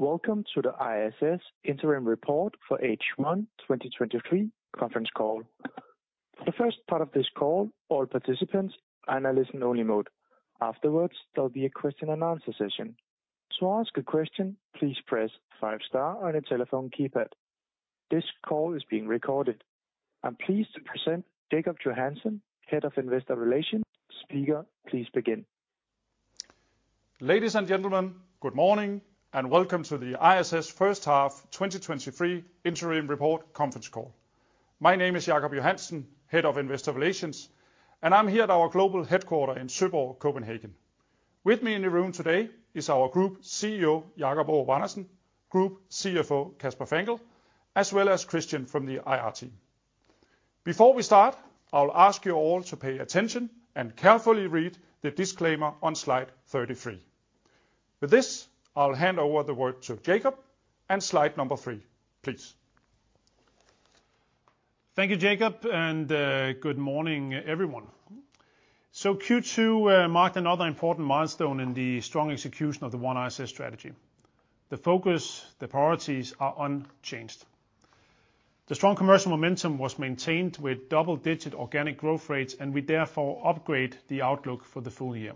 Welcome to the ISS Interim Report for H1 2023 conference call. The first part of this call, all participants are in a listen-only mode. Afterwards, there'll be a question and answer session. To ask a question, please press five star on your telephone keypad. This call is being recorded. I'm pleased to present Jacob Johansen, Head of Investor Relations. Speaker, please begin. Ladies and gentlemen, good morning, and welcome to the ISS first half 2023 interim report conference call. My name is Jacob Johansen, Head of Investor Relations, and I'm here at our global headquarter in Søborg, Copenhagen. With me in the room today is our Group CEO, Jacob Aarup-Andersen, Group CFO, Kasper Fangel, as well as Christian from the IR team. Before we start, I'll ask you all to pay attention and carefully read the disclaimer on slide 33. With this, I'll hand over the word to Jacob, and slide number 3, please. Thank you, Jacob, good morning, everyone. Q2 marked another important milestone in the strong execution of the OneISS strategy. The focus, the priorities are unchanged. The strong commercial momentum was maintained with double-digit organic growth rates. We therefore upgrade the outlook for the full year.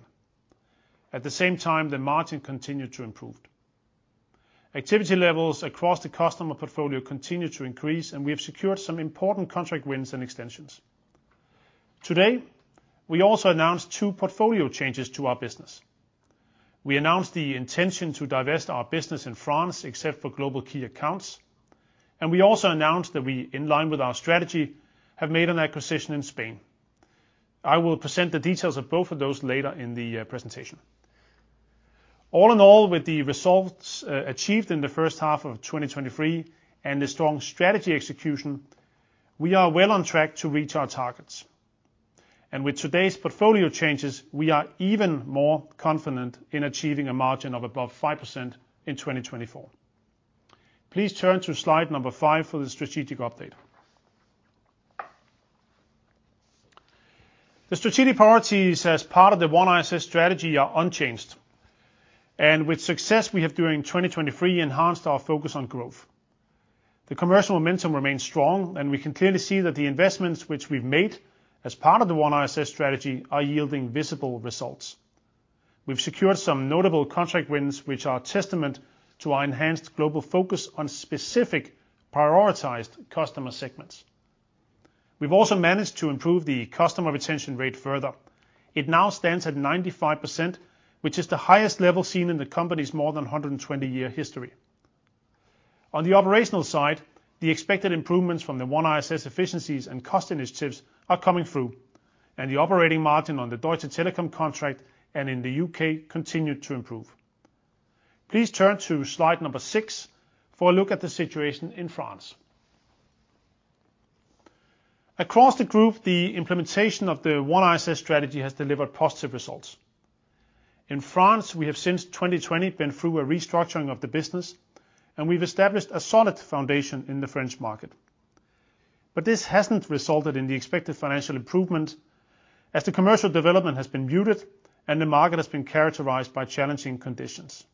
At the same time, the margin continued to improve. Activity levels across the customer portfolio continued to increase. We have secured some important contract wins and extensions. Today, we also announced two portfolio changes to our business. We announced the intention to divest our business in France, except for global key accounts. We also announced that we, in line with our strategy, have made an acquisition in Spain. I will present the details of both of those later in the presentation. All in all, with the results achieved in the first half of 2023 and the strong strategy execution, we are well on track to reach our targets. With today's portfolio changes, we are even more confident in achieving a margin of above 5% in 2024. Please turn to slide number 5 for the strategic update. The strategic priorities as part of the OneISS strategy are unchanged, and with success, we have, during 2023, enhanced our focus on growth. The commercial momentum remains strong, and we can clearly see that the investments which we've made as part of the OneISS strategy are yielding visible results. We've secured some notable contract wins, which are a testament to our enhanced global focus on specific prioritized customer segments. We've also managed to improve the customer retention rate further. It now stands at 95%, which is the highest level seen in the company's more than 120-year history. On the operational side, the expected improvements from the OneISS efficiencies and cost initiatives are coming through, and the operating margin on the Deutsche Telekom contract and in the UK continued to improve. Please turn to slide number 6 for a look at the situation in France. Across the group, the implementation of the OneISS strategy has delivered positive results. In France, we have since 2020 been through a restructuring of the business, and we've established a solid foundation in the French market. This hasn't resulted in the expected financial improvement, as the commercial development has been muted and the market has been characterized by challenging conditions.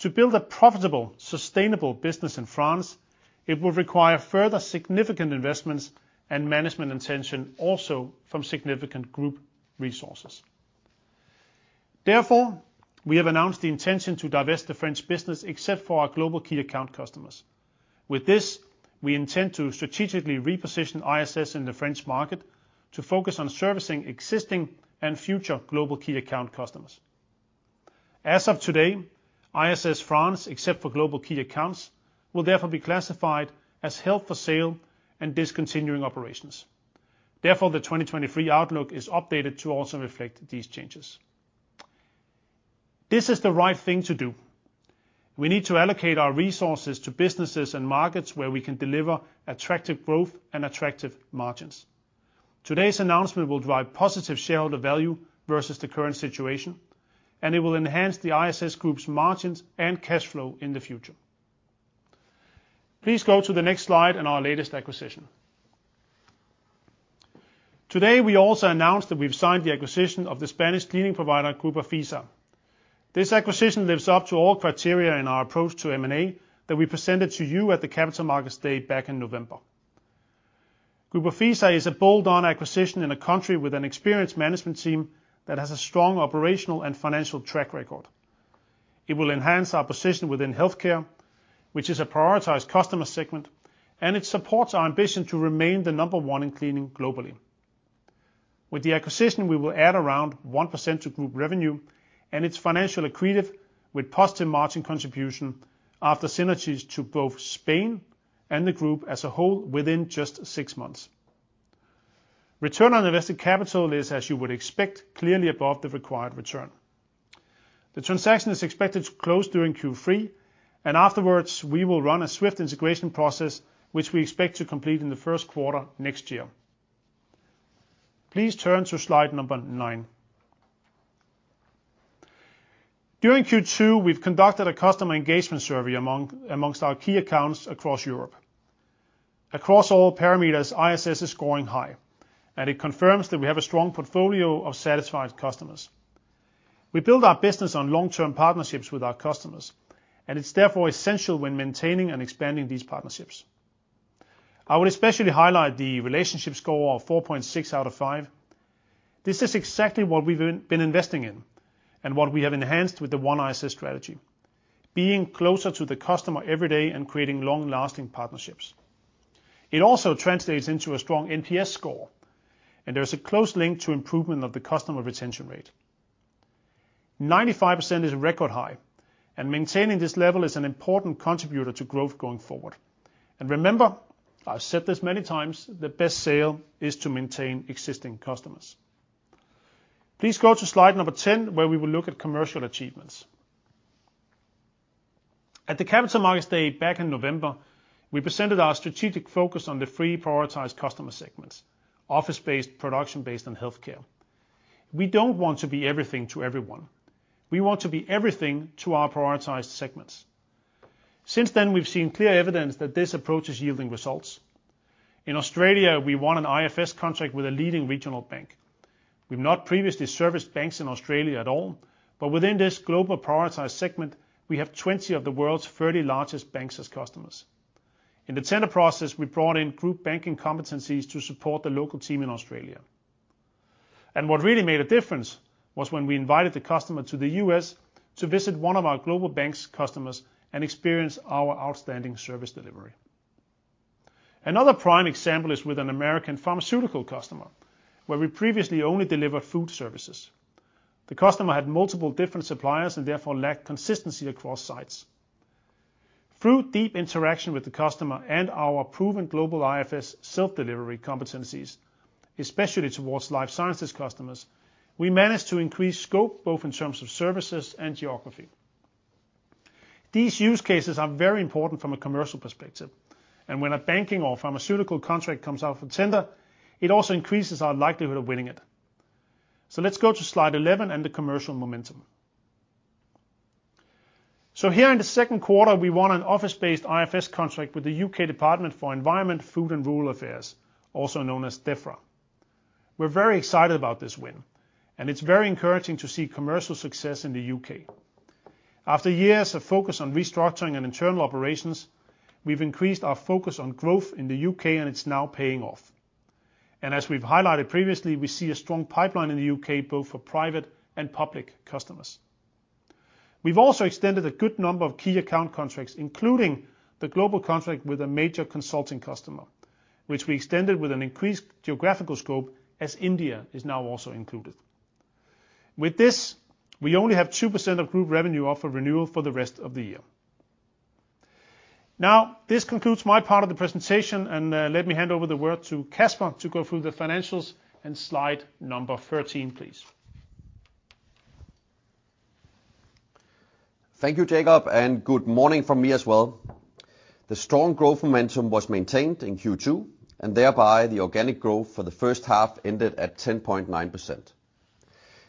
To build a profitable, sustainable business in France, it will require further significant investments and management intention also from significant group resources. Therefore, we have announced the intention to divest the French business, except for our global key account customers. With this, we intend to strategically reposition ISS in the French market to focus on servicing existing and future global key account customers. As of today, ISS France, except for global key accounts, will therefore be classified as held for sale and discontinued operations. Therefore, the 2023 outlook is updated to also reflect these changes. This is the right thing to do. We need to allocate our resources to businesses and markets where we can deliver attractive growth and attractive margins. Today's announcement will drive positive shareholder value versus the current situation, and it will enhance the ISS group's margins and cash flow in the future. Please go to the next slide on our latest acquisition. Today, we also announced that we've signed the acquisition of the Spanish cleaning provider, Grupo Fisa. This acquisition lives up to all criteria in our approach to M&A that we presented to you at the Capital Markets Day back in November. Grupo Fisa is a bolt-on acquisition in a country with an experienced management team that has a strong operational and financial track record. It will enhance our position within healthcare, which is a prioritized customer segment, and it supports our ambition to remain the number one in cleaning globally. With the acquisition, we will add around 1% to group revenue, and it's financially accretive, with positive margin contribution after synergies to both Spain and the group as a whole within just 6 months. Return on invested capital is, as you would expect, clearly above the required return. The transaction is expected to close during Q3, and afterwards, we will run a swift integration process, which we expect to complete in the first quarter next year. Please turn to slide number nine. During Q2, we've conducted a customer engagement survey amongst our key accounts across Europe. Across all parameters, ISS is scoring high, and it confirms that we have a strong portfolio of satisfied customers. We build our business on long-term partnerships with our customers, and it's therefore essential when maintaining and expanding these partnerships. I would especially highlight the relationship score of 4.6 out of 5. This is exactly what we've been investing in, and what we have enhanced with the OneISS strategy, being closer to the customer every day and creating long-lasting partnerships. It also translates into a strong NPS score, and there is a close link to improvement of the customer retention rate. 95% is a record high, and maintaining this level is an important contributor to growth going forward. Remember, I've said this many times, the best sale is to maintain existing customers. Please go to slide number 10, where we will look at commercial achievements. At the Capital Markets Day back in November, we presented our strategic focus on the three prioritized customer segments: office-based, production-based, and healthcare. We don't want to be everything to everyone. We want to be everything to our prioritized segments. Since then, we've seen clear evidence that this approach is yielding results. In Australia, we won an IFS contract with a leading regional bank. We've not previously serviced banks in Australia at all, but within this global prioritized segment, we have 20 of the world's 30 largest banks as customers. In the tender process, we brought in group banking competencies to support the local team in Australia. What really made a difference was when we invited the customer to the U.S. to visit one of our global banks customers and experience our outstanding service delivery. Another prime example is with an American pharmaceutical customer, where we previously only delivered food services. The customer had multiple different suppliers and therefore lacked consistency across sites. Through deep interaction with the customer and our proven global IFS self-delivery competencies, especially towards life sciences customers, we managed to increase scope, both in terms of services and geography. These use cases are very important from a commercial perspective, and when a banking or pharmaceutical contract comes out for tender, it also increases our likelihood of winning it. Let's go to slide 11 and the commercial momentum. Here in the second quarter, we won an office-based IFS contract with the UK Department for Environment, Food and Rural Affairs, also known as Defra. We're very excited about this win, and it's very encouraging to see commercial success in the UK. After years of focus on restructuring and internal operations, we've increased our focus on growth in the UK, and it's now paying off. As we've highlighted previously, we see a strong pipeline in the UK, both for private and public customers. We've also extended a good number of key account contracts, including the global contract with a major consulting customer, which we extended with an increased geographical scope, as India is now also included. With this, we only have 2% of group revenue up for renewal for the rest of the year. Now, this concludes my part of the presentation, and let me hand over the word to Kasper to go through the financials and slide number 13, please. Thank you, Jacob, and good morning from me as well. The strong growth momentum was maintained in Q2, and thereby, the organic growth for the first half ended at 10.9%.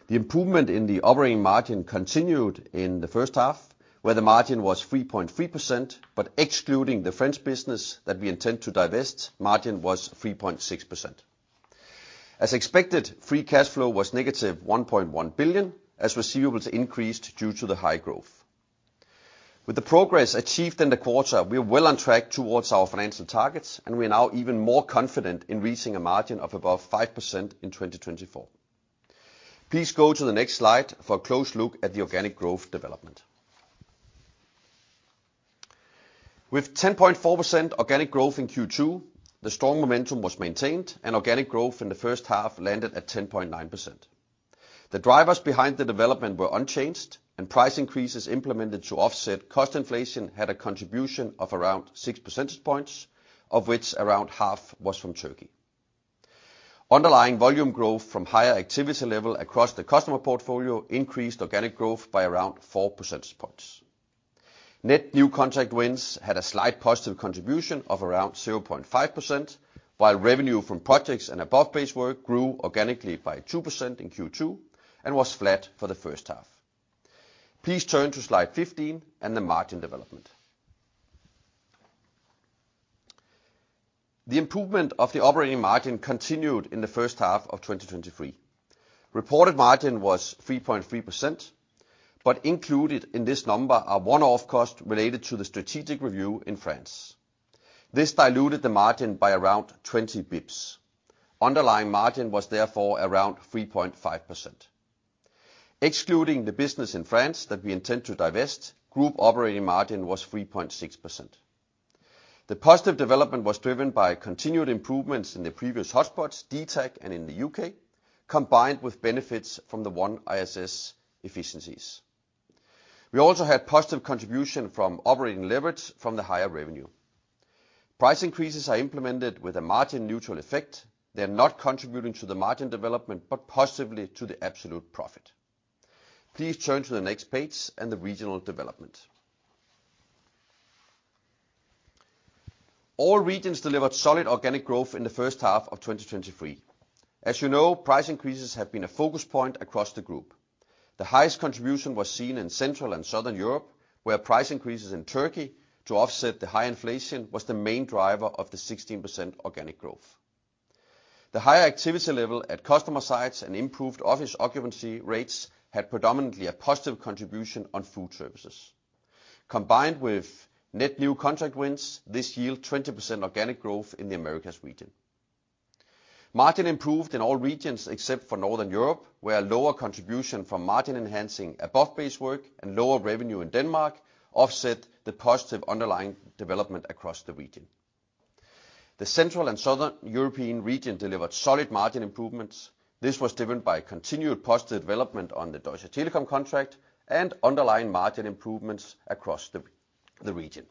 The improvement in the operating margin continued in the first half, where the margin was 3.3%, but excluding the French business that we intend to divest, margin was 3.6%. As expected, free cash flow was negative 1.1 billion, as receivables increased due to the high growth. With the progress achieved in the quarter, we are well on track towards our financial targets, and we are now even more confident in reaching a margin of above 5% in 2024. Please go to the next slide for a close look at the organic growth development. With 10.4% organic growth in Q2, the strong momentum was maintained. Organic growth in the first half landed at 10.9%. The drivers behind the development were unchanged. Price increases implemented to offset cost inflation had a contribution of around 6 percentage points, of which around half was from Turkey. Underlying volume growth from higher activity level across the customer portfolio increased organic growth by around 4 percentage points. Net new contract wins had a slight positive contribution of around 0.5%, while revenue from projects and above-base work grew organically by 2% in Q2 and was flat for the first half. Please turn to slide 15 and the margin development. The improvement of the operating margin continued in the first half of 2023. Reported margin was 3.3%, but included in this number are one-off costs related to the strategic review in France. This diluted the margin by around 20 basis points. Underlying margin was therefore around 3.5%. Excluding the business in France that we intend to divest, group operating margin was 3.6%. The positive development was driven by continued improvements in the previous hotspots, DTAC and in the UK, combined with benefits from the OneISS efficiencies. We also had positive contribution from operating leverage from the higher revenue. Price increases are implemented with a margin neutral effect. They're not contributing to the margin development, but positively to the absolute profit. Please turn to the next page and the regional development. All regions delivered solid organic growth in the first half of 2023. As you know, price increases have been a focus point across the group. The highest contribution was seen in Central and Southern Europe, where price increases in Turkey to offset the high inflation was the main driver of the 16% organic growth. The higher activity level at customer sites and improved office occupancy rates had predominantly a positive contribution on food services. Combined with net new contract wins, this yield 20% organic growth in the Americas region. Margin improved in all regions except for Northern Europe, where lower contribution from margin-enhancing above-base work and lower revenue in Denmark offset the positive underlying development across the region. The Central and Southern European region delivered solid margin improvements. This was driven by continued positive development on the Deutsche Telekom contract and underlying margin improvements across the region.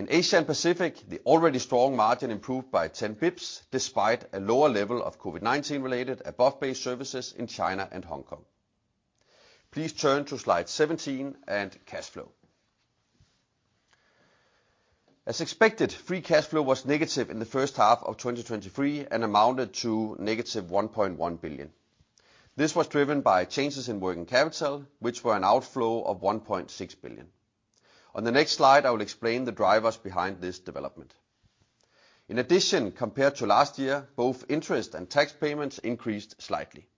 In Asia and Pacific, the already strong margin improved by 10 basis points, despite a lower level of COVID-19 related above-base services in China and Hong Kong. Please turn to slide 17 and cash flow. As expected, free cash flow was negative in the first half of 2023 and amounted to negative $1.1 billion. This was driven by changes in working capital, which were an outflow of $1.6 billion. On the next slide, I will explain the drivers behind this development. In addition, compared to last year, both interest and tax payments increased slightly.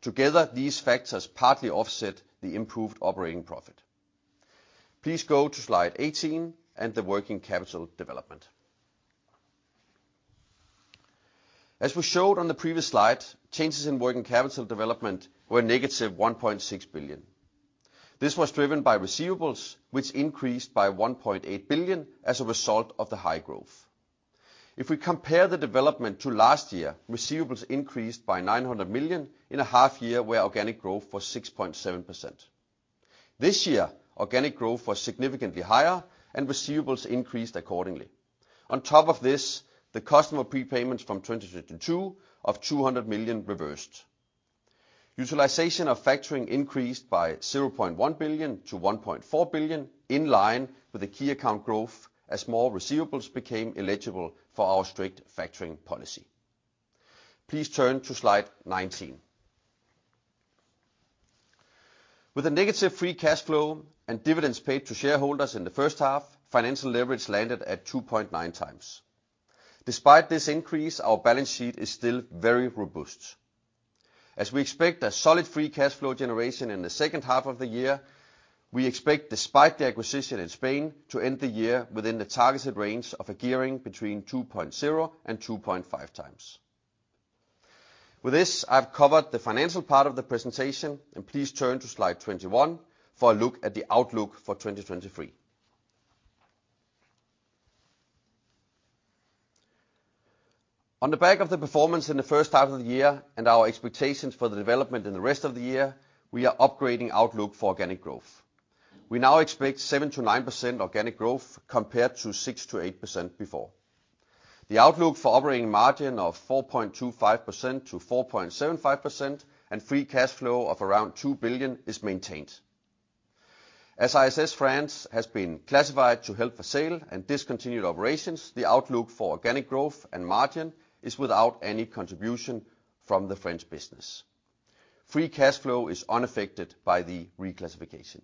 Together, these factors partly offset the improved operating profit. Please go to slide 18 and the working capital development. As we showed on the previous slide, changes in working capital development were negative $1.6 billion. This was driven by receivables, which increased by 1.8 billion as a result of the high growth. If we compare the development to last year, receivables increased by 900 million in a half year, where organic growth was 6.7%. This year, organic growth was significantly higher and receivables increased accordingly. On top of this, the customer prepayments from 2022 of 200 million reversed. Utilization of factoring increased by 0.1 billion to 1.4 billion, in line with the key account growth, as more receivables became eligible for our strict factoring policy. Please turn to slide 19. With a negative free cash flow and dividends paid to shareholders in the first half, financial leverage landed at 2.9x. Despite this increase, our balance sheet is still very robust. As we expect a solid free cash flow generation in the second half of the year, we expect, despite the acquisition in Spain, to end the year within the targeted range of a gearing between 2.0 and 2.5 times. With this, I've covered the financial part of the presentation, and please turn to slide 21 for a look at the outlook for 2023. On the back of the performance in the first half of the year and our expectations for the development in the rest of the year, we are upgrading outlook for organic growth. We now expect 7%-9% organic growth compared to 6%-8% before. The outlook for operating margin of 4.25%-4.75% and free cash flow of around 2 billion is maintained. As ISS France has been classified to held for sale and discontinued operations, the outlook for organic growth and margin is without any contribution from the French business. Free cash flow is unaffected by the reclassification.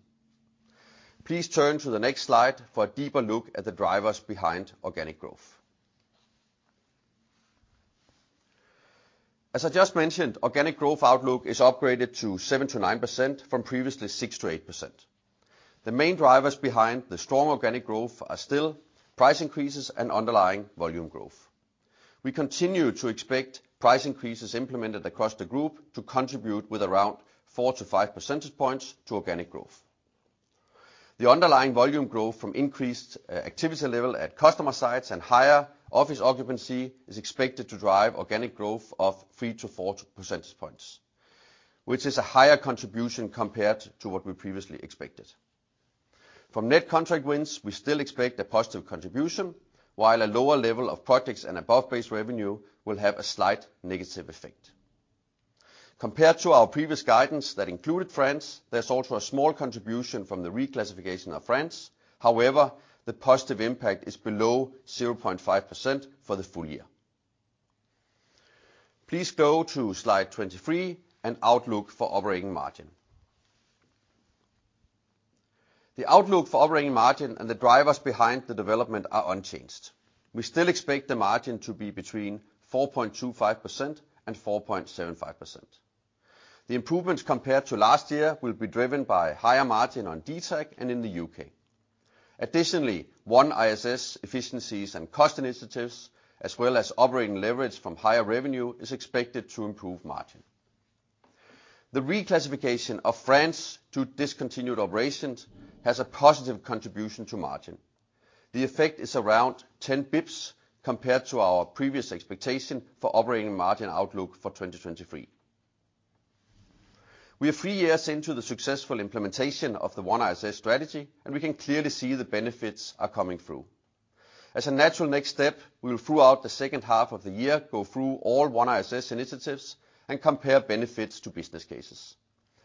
Please turn to the next slide for a deeper look at the drivers behind organic growth. As I just mentioned, organic growth outlook is upgraded to 7%-9% from previously 6%-8%. The main drivers behind the strong organic growth are still price increases and underlying volume growth. We continue to expect price increases implemented across the group to contribute with around 4-5 percentage points to organic growth. The underlying volume growth from increased activity level at customer sites and higher office occupancy is expected to drive organic growth of 3-4 percentage points, which is a higher contribution compared to what we previously expected. From net contract wins, we still expect a positive contribution, while a lower level of projects and above-base revenue will have a slight negative effect. Compared to our previous guidance that included France, there's also a small contribution from the reclassification of France. The positive impact is below 0.5% for the full year. Please go to slide 23 and outlook for operating margin. The outlook for operating margin and the drivers behind the development are unchanged. We still expect the margin to be between 4.25% and 4.75%. The improvements compared to last year will be driven by higher margin on DTAC and in the UK. Additionally, OneISS efficiencies and cost initiatives, as well as operating leverage from higher revenue, is expected to improve margin. The reclassification of France to discontinued operations has a positive contribution to margin. The effect is around 10 basis points compared to our previous expectation for operating margin outlook for 2023. We are 3 years into the successful implementation of the OneISS strategy. We can clearly see the benefits are coming through. As a natural next step, we will, throughout the second half of the year, go through all OneISS initiatives and compare benefits to business cases.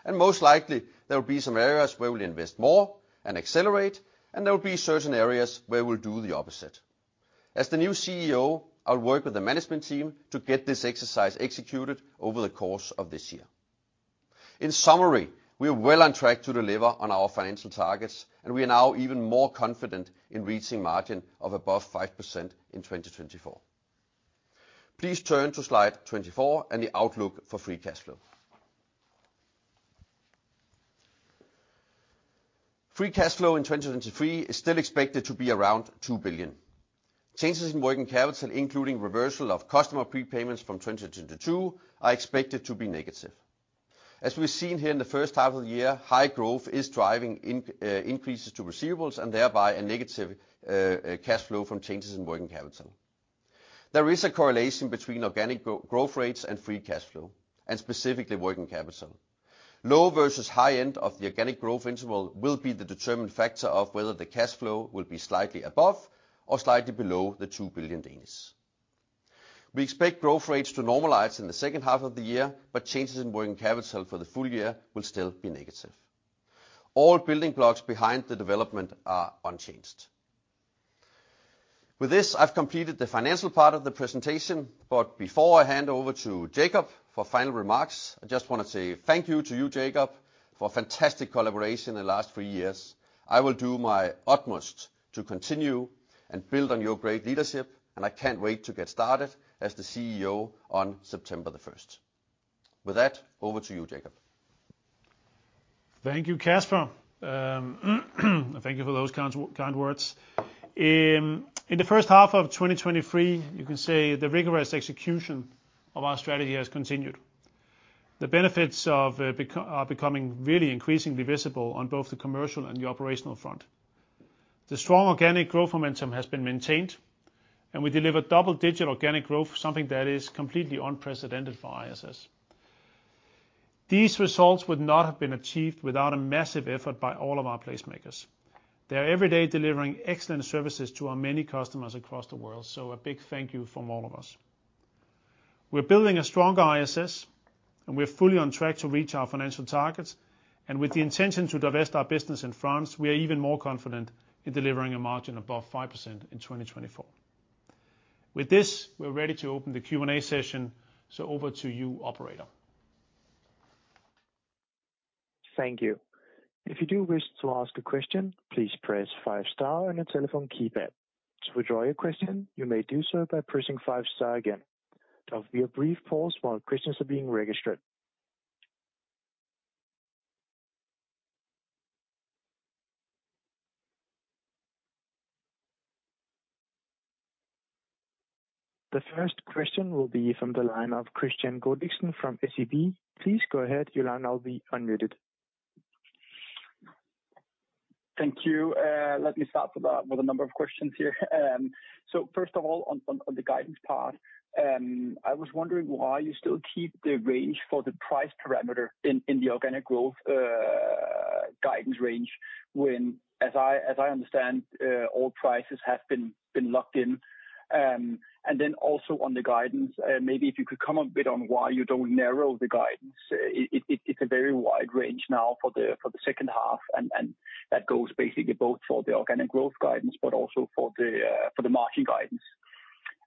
Most likely, there will be some areas where we'll invest more and accelerate, and there will be certain areas where we'll do the opposite. As the new CEO, I'll work with the management team to get this exercise executed over the course of this year. In summary, we are well on track to deliver on our financial targets. We are now even more confident in reaching margin of above 5% in 2024. Please turn to slide 24 and the outlook for free cash flow. Free cash flow in 2023 is still expected to be around 2 billion. Changes in working capital, including reversal of customer prepayments from 2022, are expected to be negative. As we've seen here in the first half of the year, high growth is driving increases to receivables and thereby a negative cash flow from changes in working capital. There is a correlation between organic growth rates and free cash flow, and specifically working capital. Low versus high end of the organic growth interval will be the determining factor of whether the cash flow will be slightly above or slightly below the 2 billion. We expect growth rates to normalize in the second half of the year, but changes in working capital for the full year will still be negative. All building blocks behind the development are unchanged. With this, I've completed the financial part of the presentation. Before I hand over to Jacob for final remarks, I just want to say thank you to you, Jacob, for a fantastic collaboration in the last three years. I will do my utmost to continue and build on your great leadership. I can't wait to get started as the CEO on September the first. With that, over to you, Jacob. Thank you, Kasper. Thank you for those kind, kind words. In the first half of 2023, you can say the rigorous execution of our strategy has continued. The benefits of are becoming really increasingly visible on both the commercial and the operational front. The strong organic growth momentum has been maintained, and we delivered double-digit organic growth, something that is completely unprecedented for ISS. These results would not have been achieved without a massive effort by all of our Placemakers. They are every day delivering excellent services to our many customers across the world. A big thank you from all of us. We're building a stronger ISS, and we're fully on track to reach our financial targets, and with the intention to divest our business in France, we are even more confident in delivering a margin above 5% in 2024. With this, we're ready to open the Q&A session, so over to you, operator. Thank you. If you do wish to ask a question, please press 5 star on your telephone keypad. To withdraw your question, you may do so by pressing 5 star again. There will be a brief pause while questions are being registered. The first question will be from the line of Christian Gudiksen from SEB. Please go ahead. Your line now will be unmuted. Thank you. Let me start with a number of questions here. So first of all, on the guidance part, I was wondering why you still keep the range for the price parameter in the organic growth guidance range, when, as I understand, all prices have been locked in? Then also on the guidance, maybe if you could comment a bit on why you don't narrow the guidance? It's a very wide range now for the second half, and that goes basically both for the organic growth guidance, but also for the margin guidance.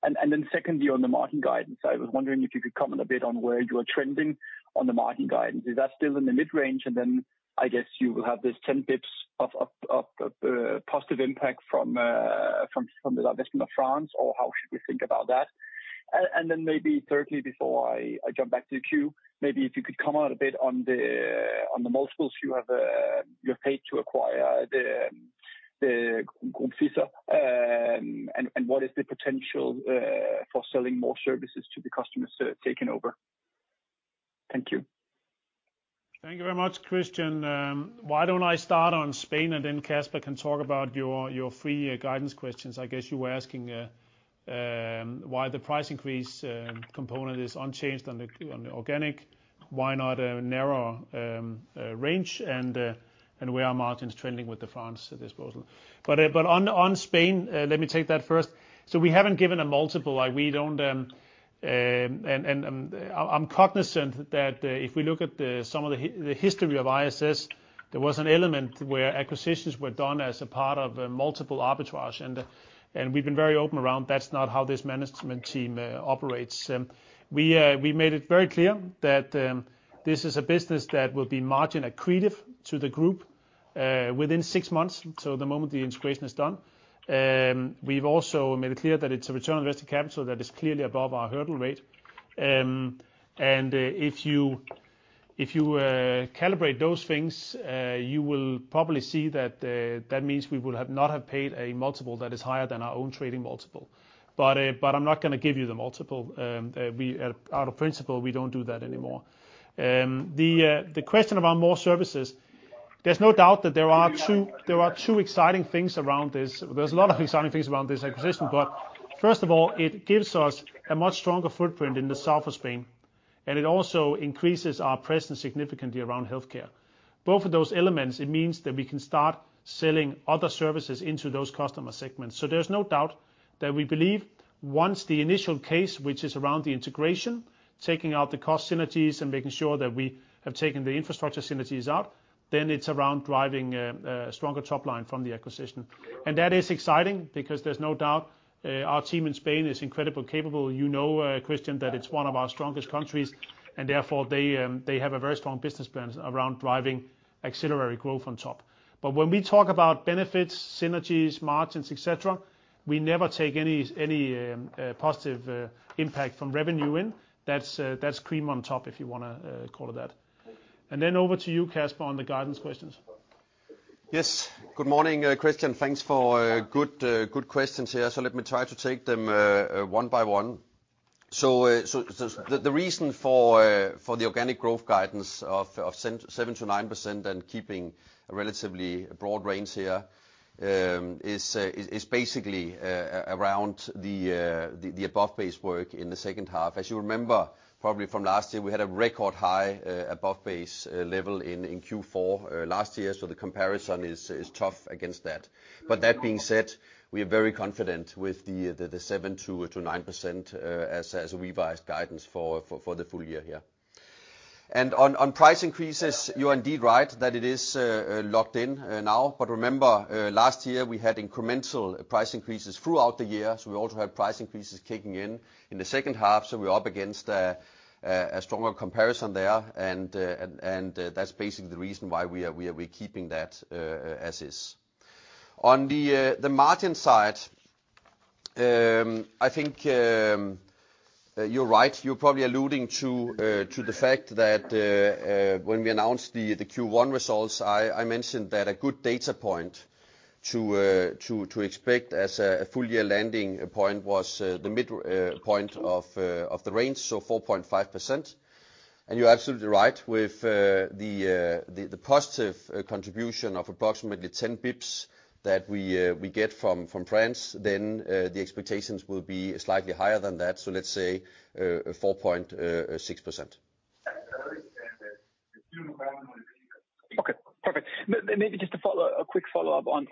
Then secondly, on the margin guidance, I was wondering if you could comment a bit on where you are trending on the margin guidance? Is that still in the mid-range? Then I guess you will have this 10 basis points of positive impact from the divestment of France, or how should we think about that? Then maybe thirdly, before I jump back to the queue, maybe if you could comment a bit on the multiples you have, you paid to acquire the FISA Group, and what is the potential for selling more services to the customers taking over? Thank you. Thank you very much, Christian. Why don't I start on Spain, and then Kasper can talk about your, your full-year guidance questions. I guess you were asking why the price increase component is unchanged on the, on the organic, why not a narrower range, and where are margins trending with the France disposal? On Spain, let me take that first. We haven't given a multiple. Like, we don't. I'm cognizant that if we look at the, some of the history of ISS, there was an element where acquisitions were done as a part of a multiple arbitrage, and we've been very open around that's not how this management team operates. We made it very clear that this is a business that will be margin accretive to the group within 6 months, so the moment the integration is done. We've also made it clear that it's a return on invested capital that is clearly above our hurdle rate. And if you, if you calibrate those things, you will probably see that that means we would have not have paid a multiple that is higher than our own trading multiple. But I'm not going to give you the multiple. We, out of principle, we don't do that anymore. The question about more services, there's no doubt that there are two, there are two exciting things around this. There's a lot of exciting things around this acquisition, but first of all, it gives us a much stronger footprint in the south of Spain, and it also increases our presence significantly around healthcare. Both of those elements, it means that we can start selling other services into those customer segments. There's no doubt that we believe-... Once the initial case, which is around the integration, taking out the cost synergies and making sure that we have taken the infrastructure synergies out, then it's around driving stronger top line from the acquisition. That is exciting, because there's no doubt, our team in Spain is incredibly capable. You know, Christian, that it's one of our strongest countries, and therefore they, they have a very strong business plan around driving auxiliary growth on top. When we talk about benefits, synergies, margins, et cetera, we never take any, any positive impact from revenue in. That's that's cream on top, if you wanna call it that. Over to you, Kasper, on the guidance questions. Yes. Good morning, Christian. Thanks for good, good questions here. Let me try to take them 1 by 1. The reason for the organic growth guidance of 7%-9% and keeping a relatively broad range here is basically around the above-base work in the second half. As you remember, probably from last year, we had a record high above-base level in Q4 last year, so the comparison is tough against that. That being said, we are very confident with the 7%-9% as a revised guidance for the full year here. On price increases, you are indeed right that it is locked in now. Remember, last year, we had incremental price increases throughout the year, so we also had price increases kicking in in the second half, so we're up against a stronger comparison there. That's basically the reason why we are, we are, we're keeping that as is. On the margin side, I think, you're right. You're probably alluding to the fact that when we announced the Q1 results, I mentioned that a good data point to expect as a full year landing point was the mid point of the range, so 4.5%. You're absolutely right, with the positive contribution of approximately 10 BPS that we get from France, then the expectations will be slightly higher than that, so let's say 4.6%. Okay, perfect. Maybe just a follow-up, a quick follow-up on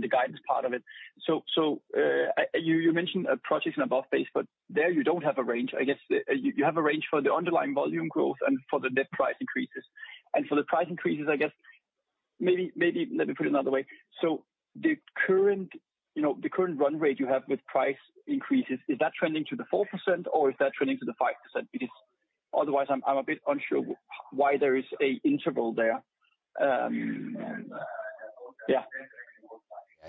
the guidance part of it. You mentioned a project and above base, but there you don't have a range. I guess you have a range for the underlying volume growth and for the net price increases. For the price increases, I guess, maybe let me put it another way. The current, you know, the current run rate you have with price increases, is that trending to the 4%, or is that trending to the 5%? Because otherwise I'm a bit unsure why there is a interval there. Yeah.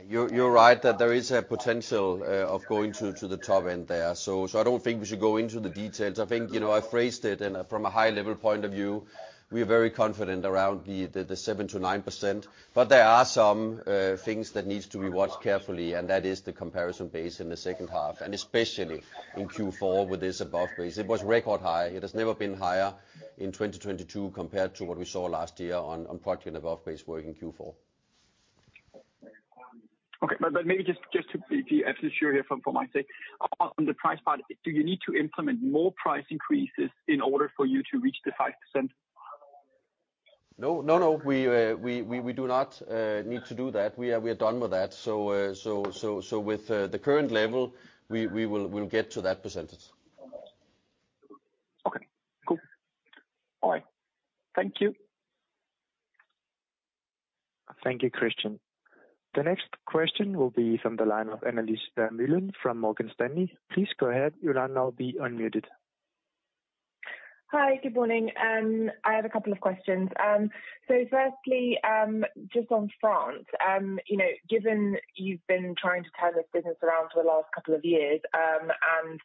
You're, you're right that there is a potential of going to, to the top end there. I don't think we should go into the details. I think, you know, I phrased it and from a high level point of view, we are very confident around the 7%-9%. There are some things that needs to be watched carefully, and that is the comparison base in the second half, and especially in Q4 with this above base. It was record high. It has never been higher in 2022 compared to what we saw last year on, on project and above-base work in Q4. Okay. maybe just to be absolutely sure here from my side, on the price part, do you need to implement more price increases in order for you to reach the 5%? No, no, no, we, we, we, we do not need to do that. We are, we are done with that. So, so, so with the current level, we, we will, we'll get to that percentage. Okay, cool. All right. Thank you. Thank you, Christian. The next question will be from the line of Annelise Aardoom from Morgan Stanley. Please go ahead. You'll now be unmuted. Hi, good morning. I have a couple of questions. Firstly, just on France, you know, given you've been trying to turn this business around for the last couple of years, and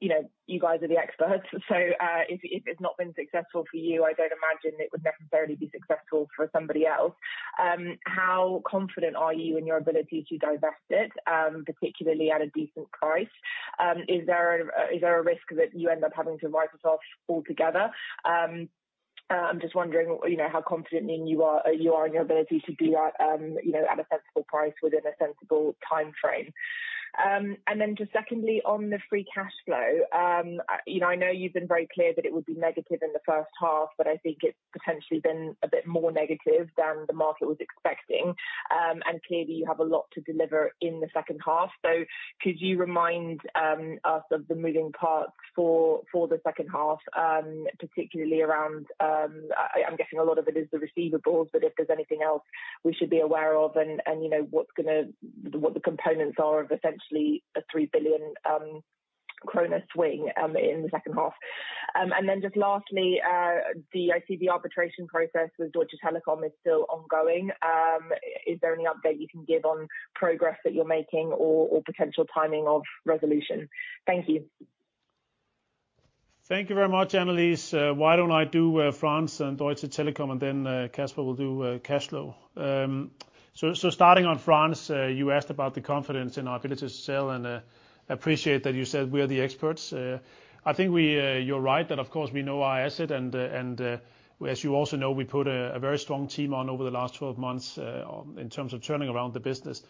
you know, you guys are the experts, if, if it's not been successful for you, I don't imagine it would necessarily be successful for somebody else. How confident are you in your ability to divest it, particularly at a decent price? Is there a risk that you end up having to write us off altogether? I'm just wondering, you know, how confident you are in your ability to do that, you know, at a sensible price within a sensible timeframe. Then just secondly, on the free cash flow, you know, I know you've been very clear that it would be negative in the first half, but I think it's potentially been a bit more negative than the market was expecting. Clearly, you have a lot to deliver in the second half. Could you remind us of the moving parts for, for the second half, particularly around the receivables, but if there's anything else we should be aware of and, and, you know, what's gonna, what the components are of essentially a 3 billion kroner swing in the second half. Then just lastly, the, I see the arbitration process with Deutsche Telekom is still ongoing. Is there any update you can give on progress that you're making or, or potential timing of resolution? Thank you. Thank you very much, Annelise. Why don't I do France and Deutsche Telekom, and then Kasper will do cash flow? Starting on France, you asked about the confidence in our ability to sell. Appreciate that you said we are the experts. I think we, you're right that, of course, we know our asset, as you also know, we put a very strong team on over the last 12 months in terms of turning around the business.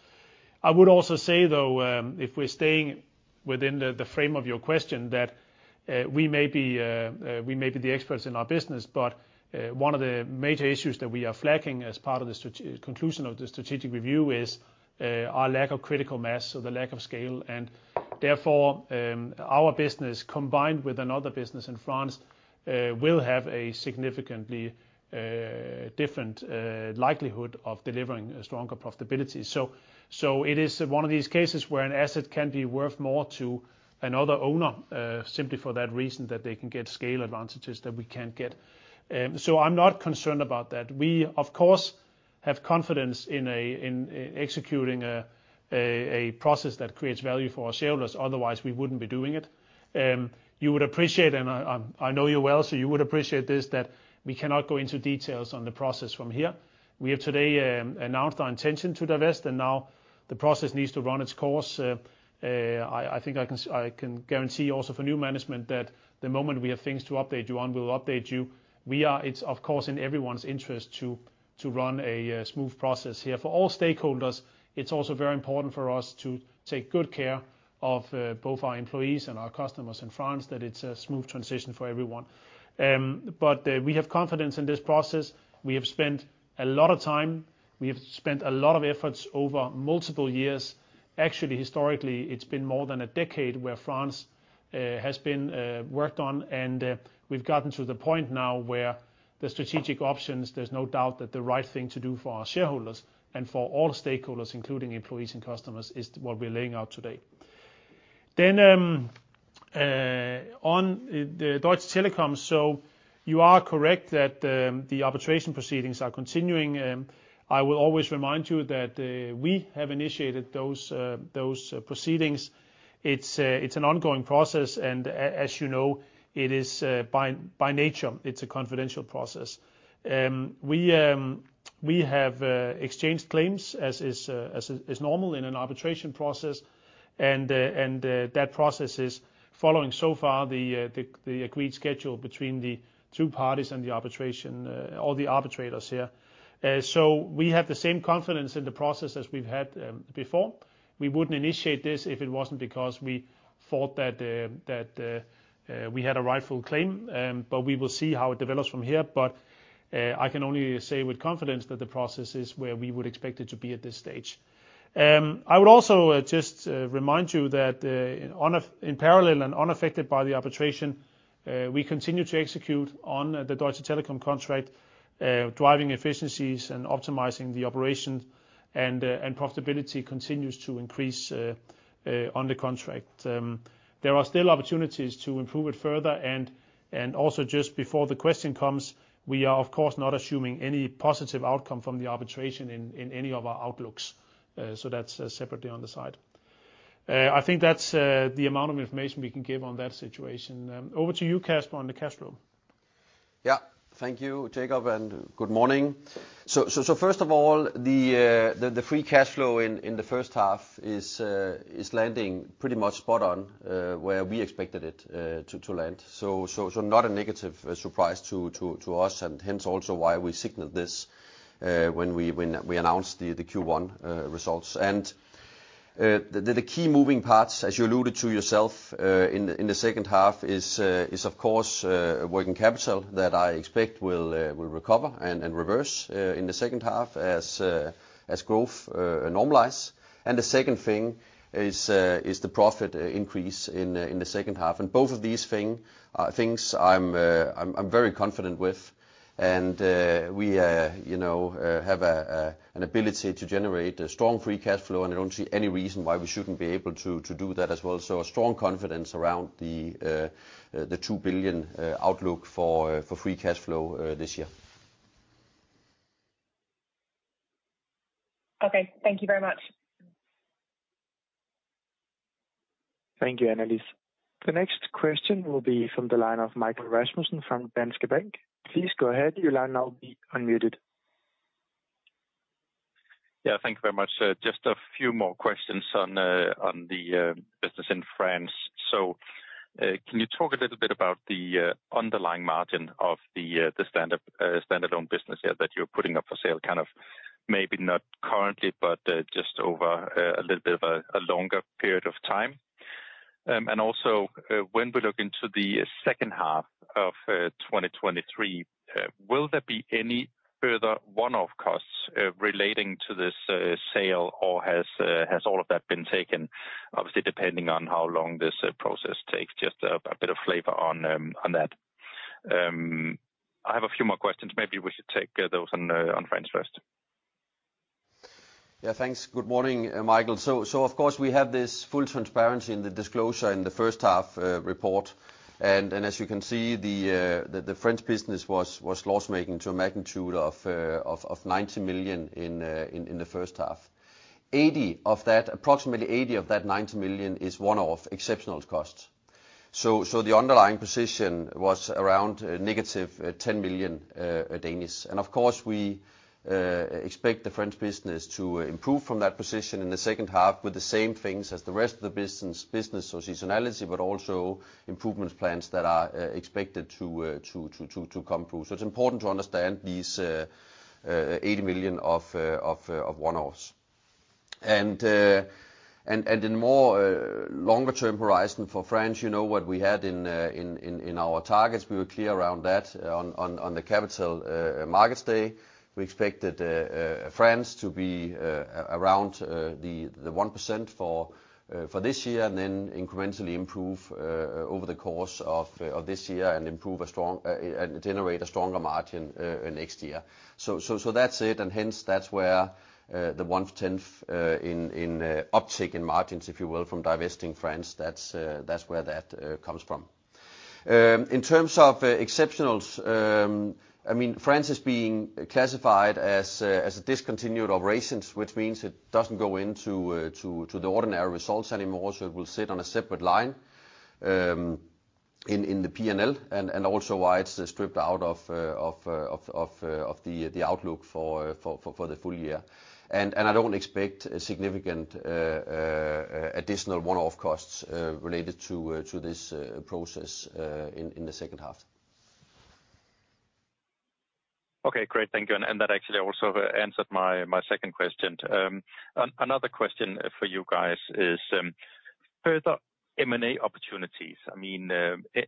I would also say, though, if we're staying within the frame of your question, that-... We may be the experts in our business, but one of the major issues that we are flagging as part of the conclusion of the strategic review is our lack of critical mass, so the lack of scale, and therefore, our business, combined with another business in France, will have a significantly different likelihood of delivering a stronger profitability. It is one of these cases where an asset can be worth more to another owner simply for that reason that they can get scale advantages that we can't get. I'm not concerned about that. We, of course, have confidence in executing a process that creates value for our shareholders, otherwise, we wouldn't be doing it. You would appreciate, and I, I know you well, so you would appreciate this, that we cannot go into details on the process from here. We have today announced our intention to divest. Now the process needs to run its course. I, I think I can guarantee also for new management that the moment we have things to update you on, we will update you. It's, of course, in everyone's interest to run a smooth process here. For all stakeholders, it's also very important for us to take good care of both our employees and our customers in France, that it's a smooth transition for everyone. We have confidence in this process. We have spent a lot of time. We have spent a lot of efforts over multiple years. Actually, historically, it's been more than a decade where France has been worked on, and we've gotten to the point now where the strategic options, there's no doubt that the right thing to do for our shareholders and for all stakeholders, including employees and customers, is what we're laying out today. On the Deutsche Telekom, so you are correct that the arbitration proceedings are continuing. I will always remind you that we have initiated those those proceedings. It's it's an ongoing process, and as you know, it is by, by nature, it's a confidential process. We have exchanged claims, as is, as normal in an arbitration process, and that process is following so far the agreed schedule between the two parties and the arbitration, all the arbitrators here. We have the same confidence in the process as we've had before. We wouldn't initiate this if it wasn't because we thought that we had a rightful claim, but we will see how it develops from here. I can only say with confidence that the process is where we would expect it to be at this stage. I would also just remind you that on in parallel and unaffected by the arbitration, we continue to execute on the Deutsche Telekom contract, driving efficiencies and optimizing the operation, and profitability continues to increase on the contract. There are still opportunities to improve it further, and also, just before the question comes, we are, of course, not assuming any positive outcome from the arbitration in any of our outlooks. That's separately on the side. I think that's the amount of information we can give on that situation. Over to you, Kasper, on the cash flow. Yeah. Thank you, Jacob, and good morning. First of all, the free cash flow in the first half is landing pretty much spot on where we expected it to land, not a negative surprise to us, and hence also why we signaled this when we announced the Q1 results. The key moving parts, as you alluded to yourself, in the second half, is, of course, working capital that I expect will recover and reverse in the second half, as growth normalize. The second thing is the profit increase in the second half. Both of these things I'm, I'm, I'm very confident with, and we, you know, have an ability to generate a strong free cash flow, and I don't see any reason why we shouldn't be able to, to do that as well. A strong confidence around the $2 billion outlook for free cash flow this year. Okay. Thank you very much. Thank you, Annelise. The next question will be from the line of Michael Rasmussen from Danske Bank. Please go ahead. Your line now will be unmuted. Yeah, thank you very much. Just a few more questions on, on the business in France. Can you talk a little bit about the underlying margin of the standalone business there that you're putting up for sale? Kind of maybe not currently, but just over a little bit of a longer period of time. When we look into the second half of 2023, will there be any further one-off costs relating to this sale, or has all of that been taken? Obviously, depending on how long this process takes, just a bit of flavor on that. I have a few more questions. Maybe we should take those on France first. Yeah, thanks. Good morning, Michael. Of course, we have this full transparency in the disclosure in the first half report. As you can see, the French business was loss-making to a magnitude of 90 million in the first half. 80 of that, approximately 80 of that 90 million is one-off exceptional costs. The underlying position was around a negative 10 million. Of course, we expect the French business to improve from that position in the second half with the same things as the rest of the business, business, so seasonality, but also improvement plans that are expected to come through. It's important to understand these 80 million of one-offs. In more longer term horizon for France, you know, what we had in our targets, we were clear around that on the Capital Markets Day. We expected France to be around the 1% for this year, and then incrementally improve over the course of this year and improve a strong and generate a stronger margin next year. That's it, and hence, that's where the 0.1 uptick in margins, if you will, from divesting France, that's where that comes from. In terms of exceptionals, I mean, France is being classified as a discontinued operations, which means it doesn't go into the ordinary results anymore, so it will sit on a separate line, in the PNL, and also why it's stripped out of the outlook for the full year. I don't expect a significant additional one-off costs related to this process in the second half. Okay, great. Thank you. That actually also answered my, my second question. Another question for you guys is further M&A opportunities. I mean,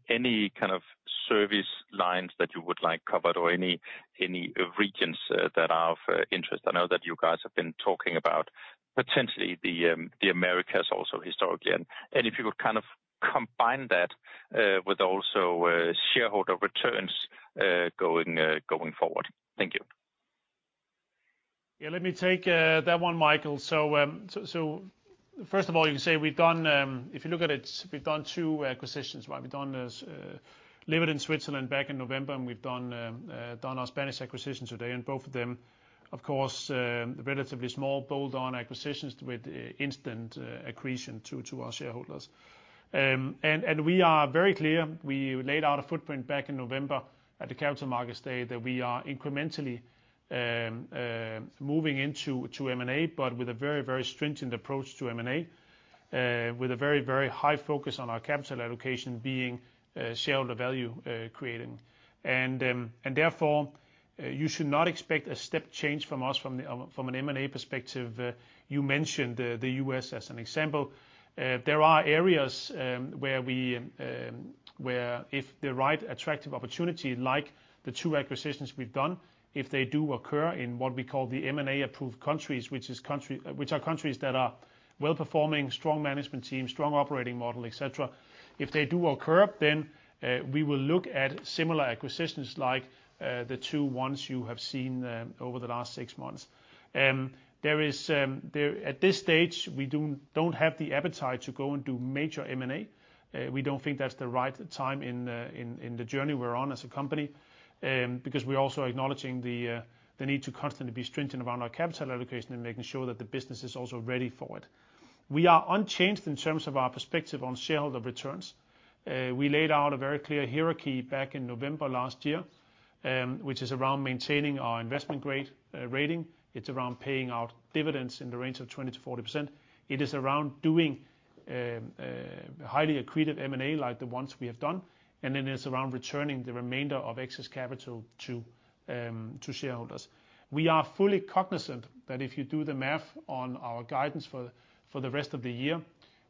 any kind of service lines that you would like covered or any, any regions that are of interest? I know that you guys have been talking about potentially the Americas also historically. If you could kind of combine that with also shareholder returns going forward. Thank you. Yeah, let me take, that one, Michael. First of all, you can say we've done, if you look at it, we've done 2 acquisitions, right? We've done Livit in Switzerland back in November, and we've done done our Spanish acquisition today, and both of them, of course, relatively small, bolt-on acquisitions with instant accretion to our shareholders. We are very clear, we laid out a footprint back in November at the Capital Markets Day, that we are incrementally moving into, to M&A, but with a very, very stringent approach to M&A, with a very, very high focus on our capital allocation being shareholder value creating. Therefore, you should not expect a step change from us from from an M&A perspective. You mentioned the US as an example. There are areas where if the right attractive opportunity-like the 2 acquisitions we've done-occurs in what we call the M&A approved countries, which are countries that are well-performing strong management teams and strong operating models, we will look at similar acquisitions like the two you have seen over the last six months. At this stage, we don't have the appetite to pursue major M&A. We don't think that's the right time in, in, in the journey we're on as a company, because we're also acknowledging the need to constantly be stringent around our capital allocation and making sure that the business is also ready for it. We are unchanged in terms of our perspective on shareholder returns. We laid out a very clear hierarchy back in November last year, which is around maintaining our investment grade rating. It's around paying out dividends in the range of 20%-40%. It is around doing highly accretive M&A like the ones we have done, and then it's around returning the remainder of excess capital to shareholders. We are fully cognizant that if you do the math on our guidance for, for the rest of the year,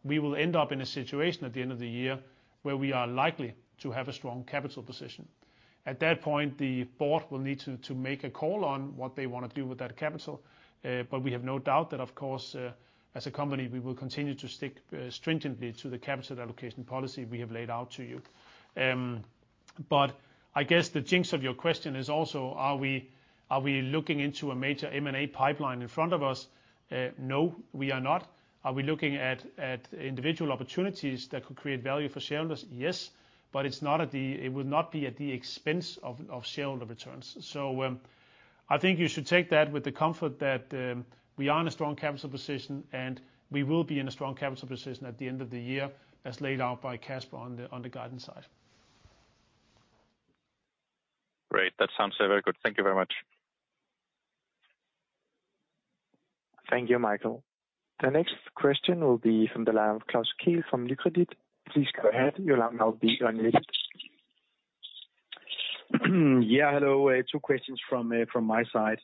we will end up in a situation at the end of the year where we are likely to have a strong capital position. At that point, the board will need to, to make a call on what they want to do with that capital, but we have no doubt that, of course, as a company, we will continue to stick stringently to the capital allocation policy we have laid out to you. I guess the jinx of your question is also, are we, are we looking into a major M&A pipeline in front of us? No, we are not. Are we looking at, at individual opportunities that could create value for shareholders? Yes, it's not it would not be at the expense of, of shareholder returns. I think you should take that with the comfort that, we are in a strong capital position, and we will be in a strong capital position at the end of the year, as laid out by Kasper on the, on the guidance side. Great. That sounds very good. Thank you very much. Thank you, Michael. The next question will be from the line of Claus Almer from Credit Suisse. Please go ahead. You'll now be unmuted. Yeah, hello. Two questions from from my side.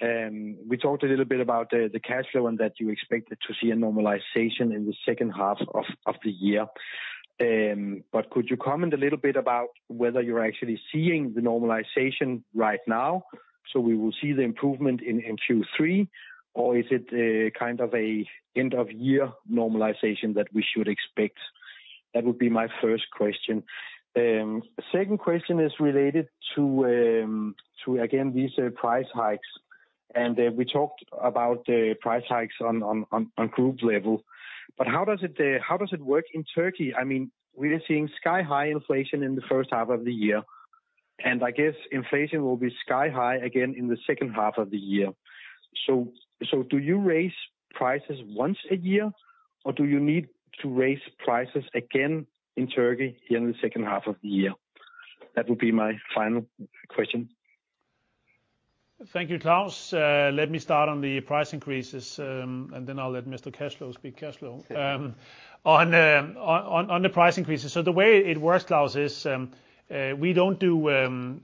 We talked a little bit about the, the cash flow and that you expected to see a normalization in the second half of, of the year. Could you comment a little bit about whether you're actually seeing the normalization right now, so we will see the improvement in, in Q3? Or is it a kind of a end-of-year normalization that we should expect? That would be my first question. Second question is related to, to, again, these price hikes. We talked about the price hikes on, on, on, on group level. How does it work in Turkey? I mean, we are seeing sky-high inflation in the first half of the year, and I guess inflation will be sky-high again in the second half of the year. So do you raise prices once a year, or do you need to raise prices again in Turkey here in the second half of the year? That would be my final question.... Thank you, Claus. Let me start on the price increases, and then I'll let Mr. Cash Flow speak cash flow. On the price increases, the way it works, Claus, is, we don't do,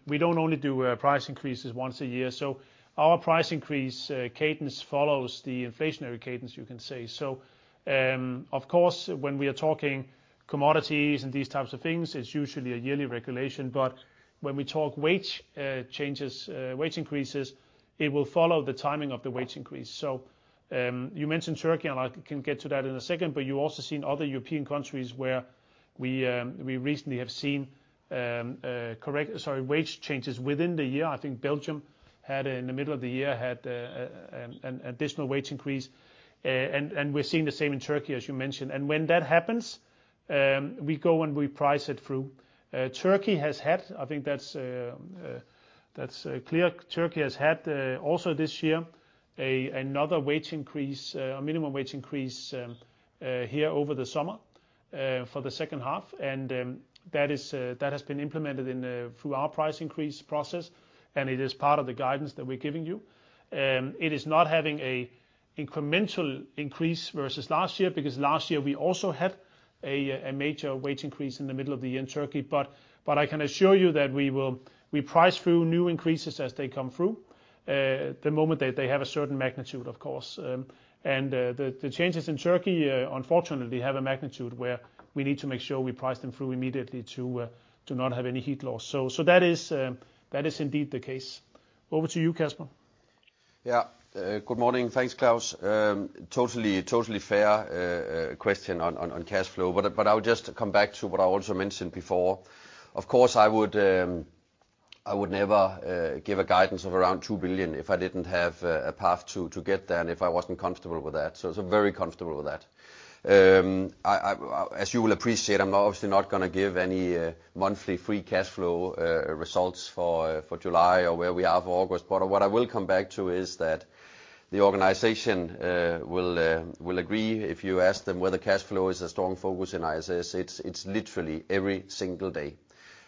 we don't only do, price increases once a year. Our price increase cadence follows the inflationary cadence, you can say. Of course, when we are talking commodities and these types of things, it's usually a yearly regulation. When we talk wage changes, wage increases, it will follow the timing of the wage increase. You mentioned Turkey, and I can get to that in a second, but you also seen other European countries where we recently have seen correct sorry, wage changes within the year. I think Belgium had, in the middle of the year, an additional wage increase. We're seeing the same in Turkey, as you mentioned. When that happens, we go, and we price it through. Turkey has had, I think that's, that's clear. Turkey has had, also this year, another wage increase, a minimum wage increase, here over the summer, for the second half. That is, that has been implemented in, through our price increase process, and it is part of the guidance that we're giving you. It is not having a incremental increase versus last year, because last year we also had a major wage increase in the middle of the year in Turkey. I can assure you that we price through new increases as they come through, the moment that they have a certain magnitude, of course. The changes in Turkey, unfortunately, have a magnitude where we need to make sure we price them through immediately to not have any heat loss. That is indeed the case. Over to you, Kasper. Yeah. Good morning. Thanks, Claus. Totally, totally fair question on cash flow. I would just come back to what I also mentioned before. Of course, I would, I would never give a guidance of around 2 billion if I didn't have a path to get there, and if I wasn't comfortable with that. I'm very comfortable with that. I, I, as you will appreciate, I'm obviously not gonna give any monthly free cash flow results for July or where we are for August. What I will come back to is that the organization will agree if you ask them whether cash flow is a strong focus in ISS. It's, it's literally every single day,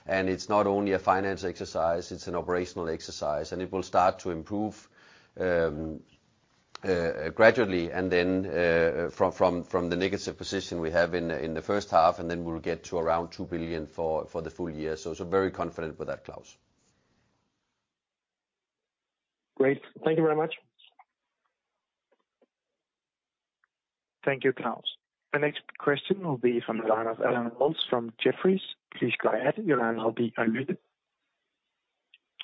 and it's not only a finance exercise, it's an operational exercise. It will start to improve, gradually, and then, from the negative position we have in the first half, and then we'll get to around 2 billion for the full year. Very confident with that, Claus. Great. Thank you very much. Thank you, Claus. The next question will be from the line of Alan Cecil from Jefferies. Please go ahead, Alan. You'll be unmuted.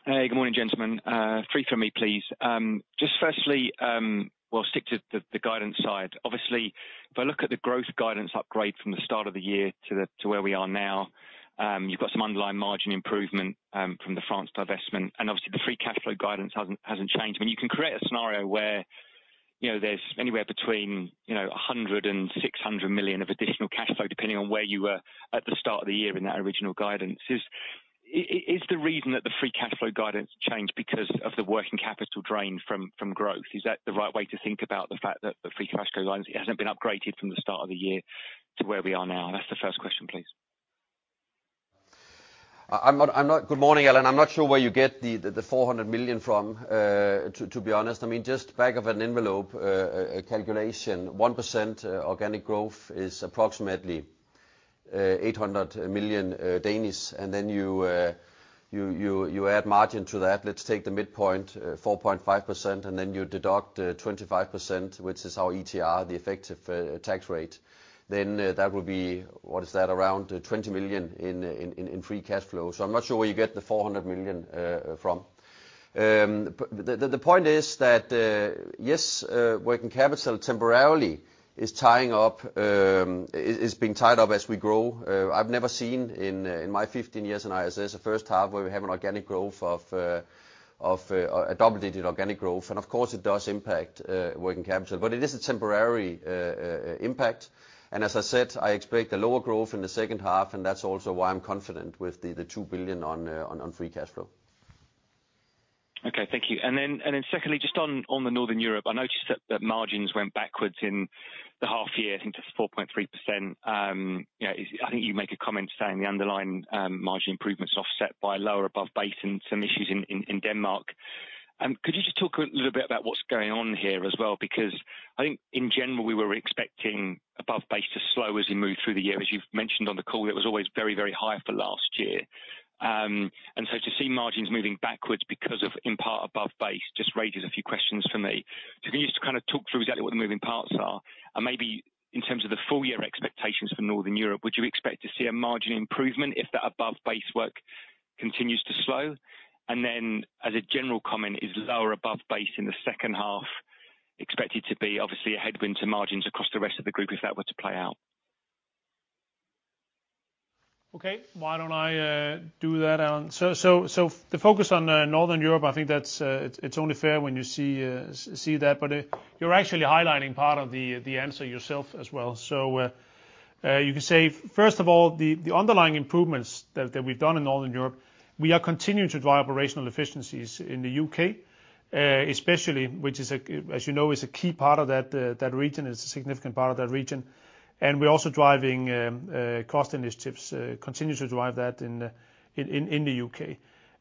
Hey, good morning, gentlemen. 3 from me, please. Just firstly, we'll stick to the, the guidance side. Obviously, if I look at the growth guidance upgrade from the start of the year to the, to where we are now, you've got some underlying margin improvement from the France divestment, and obviously, the free cash flow guidance hasn't, hasn't changed. When you can create a scenario where, you know, there's anywhere between, you know, $100 million-$600 million of additional cash flow, depending on where you were at the start of the year in that original guidance. Is the reason that the free cash flow guidance changed because of the working capital drain from, from growth? Is that the right way to think about the fact that the free cash flow guidance hasn't been upgraded from the start of the year to where we are now? That's the first question, please. I'm not, I'm not... Good morning, Alan. I'm not sure where you get the 400 million from, to be honest. I mean, just back of an envelope calculation, 1% organic growth is approximately 800 million Danish. Then you add margin to that. Let's take the midpoint, 4.5%, then you deduct 25%, which is our ETR, the effective tax rate. That would be, what is that? Around 20 million in free cash flow. I'm not sure where you get the 400 million from. The point is that, yes, working capital temporarily is tying up, is, is being tied up as we grow. I've never seen in my 15 years in ISS, the first half, where we have an organic growth of a double-digit organic growth, and of course, it does impact working capital, but it is a temporary impact. As I said, I expect a lower growth in the second half, and that's also why I'm confident with the 2 billion on free cash flow. Okay, thank you. Secondly, just on Northern Europe, I noticed that margins went backwards in the half year, I think to 4.3%. You know, is, I think you make a comment saying the underlying margin improvements offset by lower above-base and some issues in Denmark. Could you just talk a little bit about what's going on here as well? Because I think in general, we were expecting above-base to slow as we move through the year. As you've mentioned on the call, it was always very, very high for last year. To see margins moving backwards because of, in part, above-base, just raises a few questions for me. Can you just kind of talk through exactly what the moving parts are? Maybe in terms of the full year expectations for Northern Europe, would you expect to see a margin improvement if that above-base work continues to slow? Then, as a general comment, is lower above-base in the second half expected to be obviously a headwind to margins across the rest of the group, if that were to play out? Okay, why don't I do that, Alan? So, so, the focus on Northern Europe, I think that's, it's, it's only fair when you see, see that, but, you're actually highlighting part of the, the answer yourself as well. You can say, first of all, the, the underlying improvements that, that we've done in Northern Europe, we are continuing to drive operational efficiencies in the UK, especially which is a, as you know, is a key part of that, that region, is a significant part of that region. We're also driving, cost initiatives, continue to drive that in, in, in, in the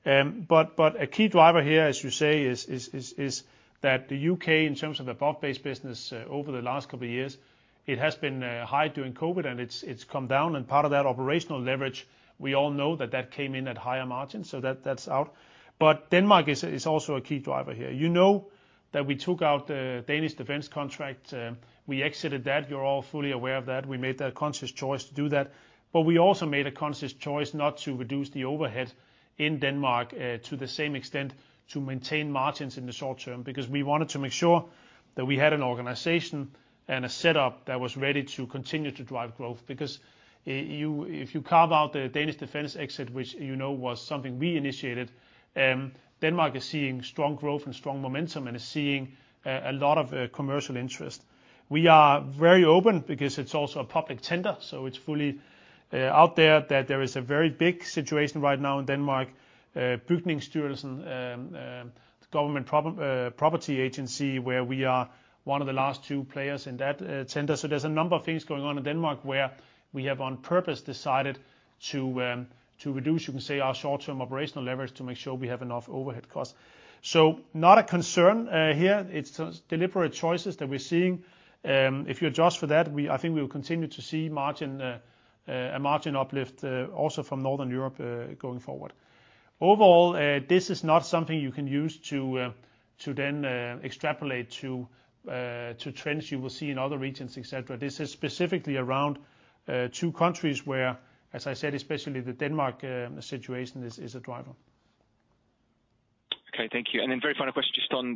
UK. But, but a key driver here, as you say, is, is, is, is that the UK, in terms of above-base work, over the last couple of years, it has been high during COVID-19, and it's, it's come down. Part of that operational leverage, we all know that that came in at higher margins, so that, that's out. Denmark is, is also a key driver here. You know that we took out the Danish Defence contract, we exited that. You're all fully aware of that. We made a conscious choice to do that. We also made a conscious choice not to reduce the overhead in Denmark to the same extent, to maintain margins in the short term. Because we wanted to make sure that we had an organization and a setup that was ready to continue to drive growth. You -- if you carve out the Danish Defence exit, which you know, was something we initiated, Denmark is seeing strong growth and strong momentum and is seeing a lot of commercial interest. We are very open because it's also a public tender, so it's fully out there that there is a very big situation right now in Denmark. Bygningsstyrelsen, the government property agency, where we are one of the last two players in that tender. There's a number of things going on in Denmark where we have, on purpose, decided to reduce, you can say, our short-term operational leverage to make sure we have enough overhead costs. Not a concern here. It's deliberate choices that we're seeing. If you adjust for that, I think we will continue to see margin, a margin uplift, also from Northern Europe, going forward. Overall, this is not something you can use to then extrapolate to trends you will see in other regions, et cetera. This is specifically around two countries where, as I said, especially the Denmark situation is, is a driver. Okay, thank you. Then very final question, just on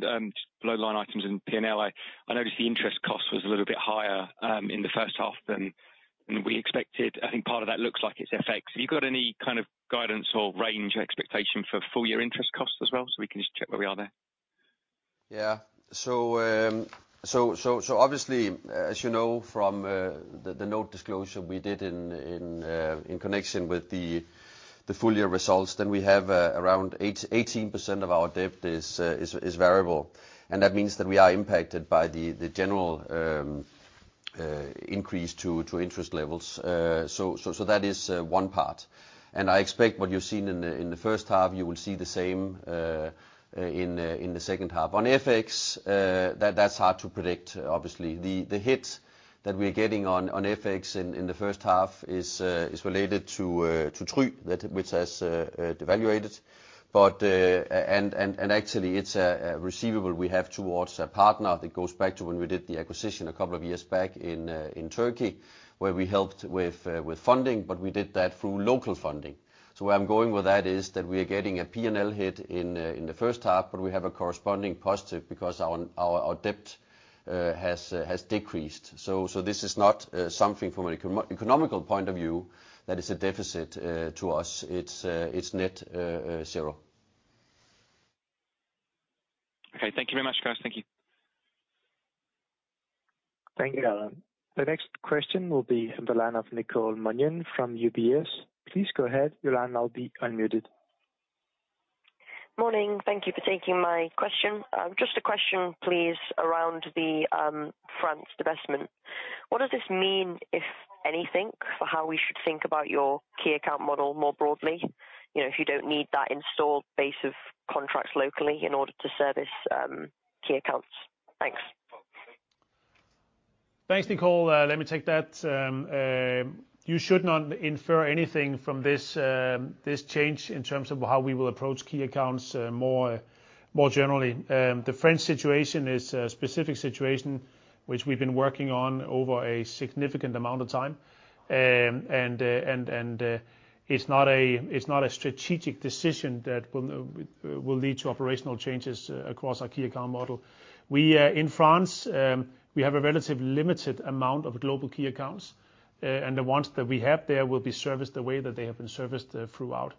below-the-line items in PNL. I, I noticed the interest cost was a little bit higher in H1 than, than we expected. I think part of that looks like it's FX. Have you got any kind of guidance or range or expectation for full-year interest costs as well, so we can just check where we are there? Yeah. Obviously, as you know from the note disclosure we did in connection with the full year results, then we have around 18% of our debt is variable. That means that we are impacted by the general increase to interest levels. That is 1 part, and I expect what you've seen in the first half, you will see the same in the second half. On FX, that's hard to predict, obviously. The hit that we're getting on FX in the first half is related to TRY, which has devaluated. Actually it's a receivable we have towards a partner that goes back to when we did the acquisition two years back in Turkey, where we helped with funding, but we did that through local funding. Where I'm going with that is, that we are getting a P&L hit in the first half, but we have a corresponding positive because our debt has decreased. This is not something from an economical point of view that is a deficit to us. It's net zero. Okay. Thank you very much, guys. Thank you. Thank you, Alan. The next question will be on the line of Nichole Junion from UBS. Please go ahead. Your line will now be unmuted. Morning. Thank you for taking my question. Just a question, please, around the France divestment. What does this mean, if anything, for how we should think about your key account model more broadly? You know, if you don't need that installed base of contracts locally in order to service key accounts. Thanks. Thanks, Nichole. Let me take that. You should not infer anything from this, this change in terms of how we will approach global key accounts, more, more generally. The French situation is a specific situation which we've been working on over a significant amount of time. It's not a, it's not a strategic decision that will lead to operational changes across our key account model. We, in France, we have a relatively limited amount of global key accounts, and the ones that we have there will be serviced the way that they have been serviced, throughout.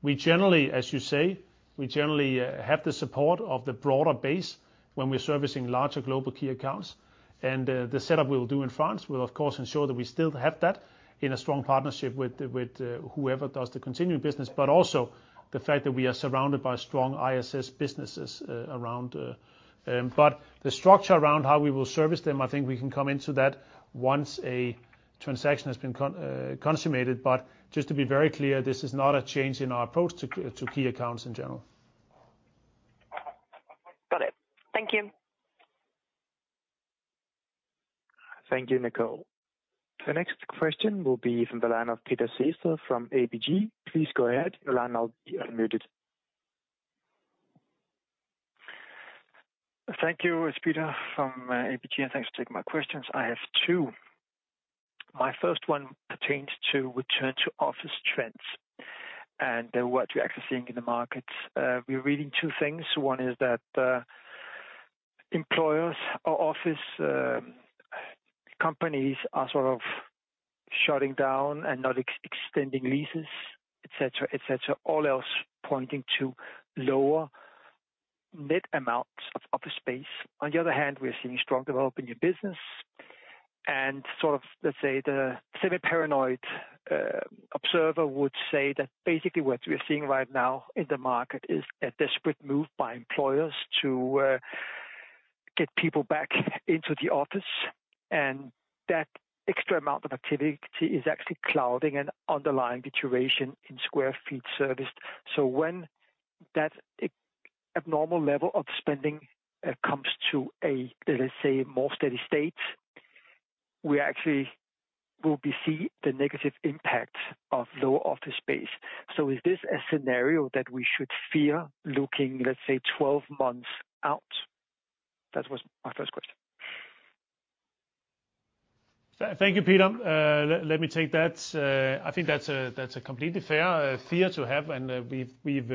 We generally, as you say, we generally have the support of the broader base when we're servicing larger global key accounts. The setup we will do in France will, of course, ensure that we still have that in a strong partnership with, with, whoever does the continuing business, but also the fact that we are surrounded by strong ISS businesses, around. The structure around how we will service them, I think we can come into that once a transaction has been consummated. Just to be very clear, this is not a change in our approach to key accounts in general. Got it. Thank you. Thank you, Nicole. The next question will be from the line of Peter Testa from ABG. Please go ahead. Your line will now be unmuted. Thank you. It's Peter from ABG. Thanks for taking my questions. I have two. My first one pertains to return to office trends and what you're actually seeing in the markets. We're reading two things. One is that employers or office companies are sort of shutting down and not extending leases, et cetera, et cetera. All else pointing to lower-... net amount of office space. The other hand, we are seeing strong development in your business, and sort of, let's say, the semi-paranoid, observer would say that basically what we are seeing right now in the market is a desperate move by employers to, get people back into the office, and that extra amount of activity is actually clouding an underlying deterioration in square feet serviced. When that abnormal level of spending, comes to a, let's say, more steady state, we actually will be see the negative impact of lower office space. Is this a scenario that we should fear looking, let's say, 12 months out? That was my first question. Thank you, Peter. Let, let me take that. I think that's a, that's a completely fair fear to have, and we've, we've,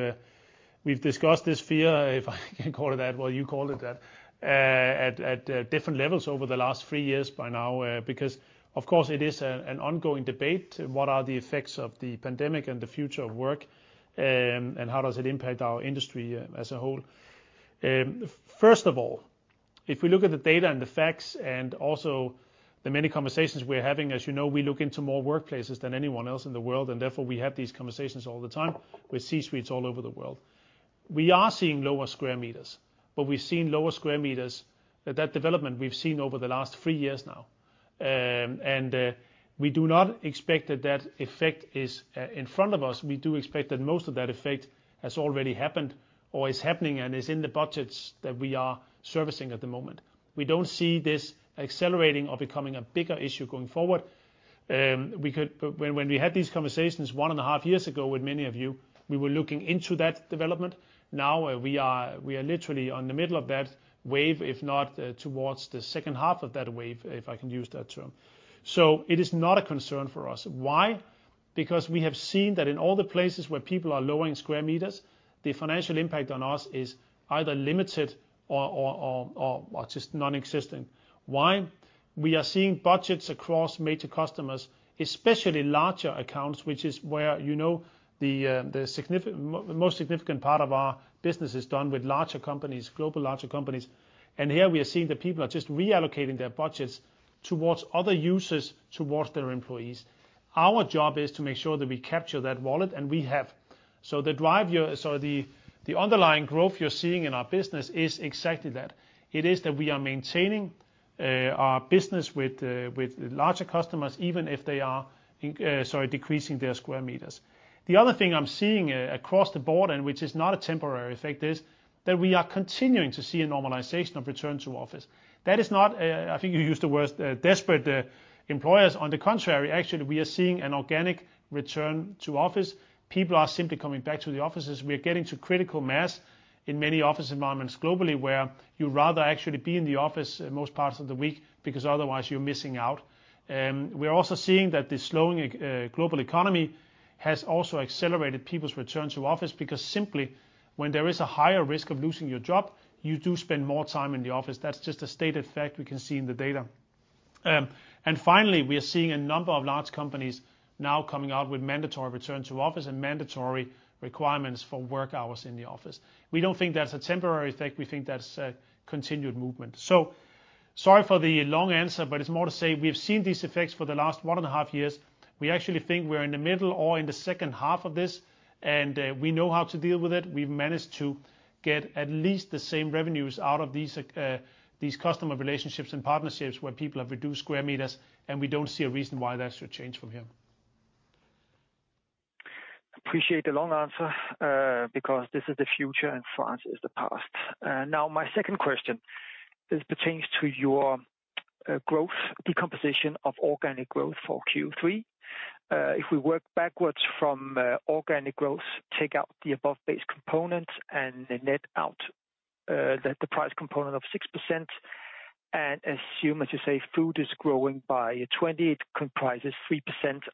we've discussed this fear, if I can call it that, well, you called it that, at, at different levels over the last 3 years by now. Because, of course, it is an ongoing debate, what are the effects of the pandemic and the future of work, and how does it impact our industry as a whole? First of all, if we look at the data and the facts and also the many conversations we're having, as you know, we look into more workplaces than anyone else in the world, and therefore, we have these conversations all the time with C-suites all over the world. We are seeing lower square meters, but we've seen lower square meters, that development we've seen over the last three years now. We do not expect that that effect is in front of us. We do expect that most of that effect has already happened or is happening and is in the budgets that we are servicing at the moment. We don't see this accelerating or becoming a bigger issue going forward. When, when we had these conversations one and a half years ago with many of you, we were looking into that development. Now we are, we are literally on the middle of that wave, if not towards the second half of that wave, if I can use that term. It is not a concern for us. Why? We have seen that in all the places where people are lowering square meters, the financial impact on us is either limited or just nonexistent. Why? We are seeing budgets across major customers, especially larger accounts, which is where, you know, the significant, most significant part of our business is done with larger companies, global larger companies. Here we are seeing that people are just reallocating their budgets towards other users, towards their employees. Our job is to make sure that we capture that wallet, and we have. The underlying growth you're seeing in our business is exactly that. It is that we are maintaining our business with larger customers, even if they are in, sorry, decreasing their square meters. The other thing I'm seeing across the board, and which is not a temporary effect, is that we are continuing to see a normalization of return to office. That is not. I think you used the word desperate employers. On the contrary, actually, we are seeing an organic return to office. People are simply coming back to the offices. We are getting to critical mass in many office environments globally, where you rather actually be in the office most parts of the week, because otherwise you're missing out. We are also seeing that the slowing global economy has also accelerated people's return to office, because simply, when there is a higher risk of losing your job, you do spend more time in the office. That's just a stated fact we can see in the data. Finally, we are seeing a number of large companies now coming out with mandatory return to office and mandatory requirements for work hours in the office. We don't think that's a temporary effect. We think that's a continued movement. Sorry for the long answer, but it's more to say we've seen these effects for the last 1.5 years. We actually think we're in the middle or in the second half of this, and we know how to deal with it. We've managed to get at least the same revenues out of these, these customer relationships and partnerships where people have reduced square meters, and we don't see a reason why that should change from here. Appreciate the long answer, because this is the future, and past is the past. Now, my second question, this pertains to your growth, decomposition of organic growth for Q3. If we work backwards from organic growth, take out the above-base component and then net out the price component of 6% and assume, as you say, food is growing by 20, it comprises 3%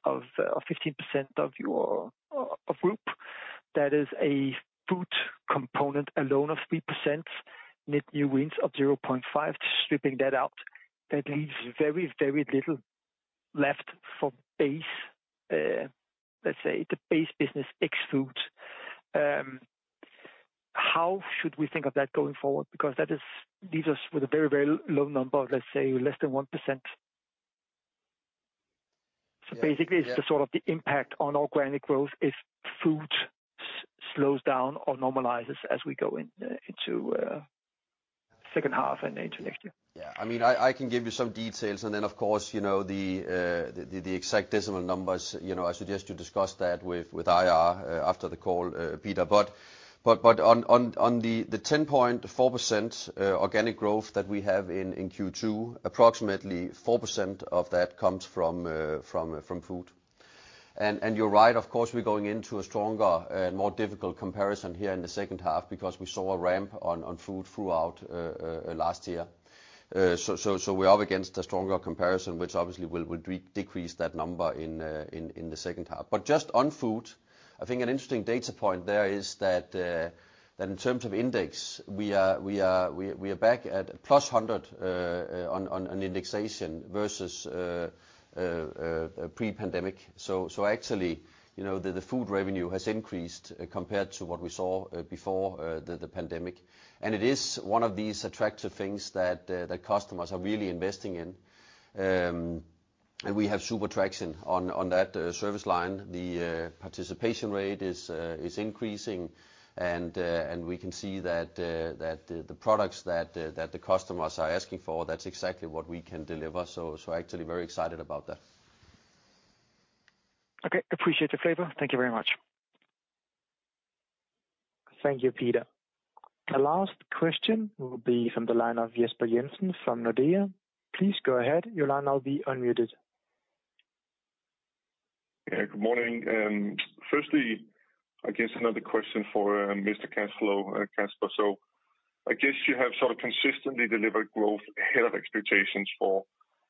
of or 15% of your group. That is a food component alone of 3%, net new wins of 0.5. Stripping that out, that leaves very, very little left for base, let's say the base business ex-food. How should we think of that going forward? Because that is- leaves us with a very, very low number, let's say less than 1%. Basically, it's the sort of the impact on organic growth if food slows down or normalizes as we go in, into second half and into next year. Yeah, I mean, I, I can give you some details, and then, of course, you know, the, the, the exact decimal numbers, you know, I suggest you discuss that with, with IR after the call, Peter. On the 10.4% organic growth that we have in Q2, approximately 4% of that comes from food. You're right, of course, we're going into a stronger and more difficult comparison here in the second half because we saw a ramp on food throughout last year. We are up against a stronger comparison, which obviously will decrease that number in the second half. Just on food, I think an interesting data point there is that in terms of index, we are back at +100 on an indexation versus pre-pandemic. Actually, you know, the food revenue has increased compared to what we saw before the pandemic. It is one of these attractive things that customers are really investing in. We have super traction on that service line. The participation rate is increasing, and we can see that the products that the customers are asking for, that's exactly what we can deliver. Actually very excited about that. Okay, appreciate the favor. Thank you very much. Thank you, Peter. The last question will be from the line of Jesper Christensen from Nordea. Please go ahead. Your line will now be unmuted. Good morning. Firstly, I guess another question for Mr. Cash Flow, Kasper. I guess you have sort of consistently delivered growth ahead of expectations for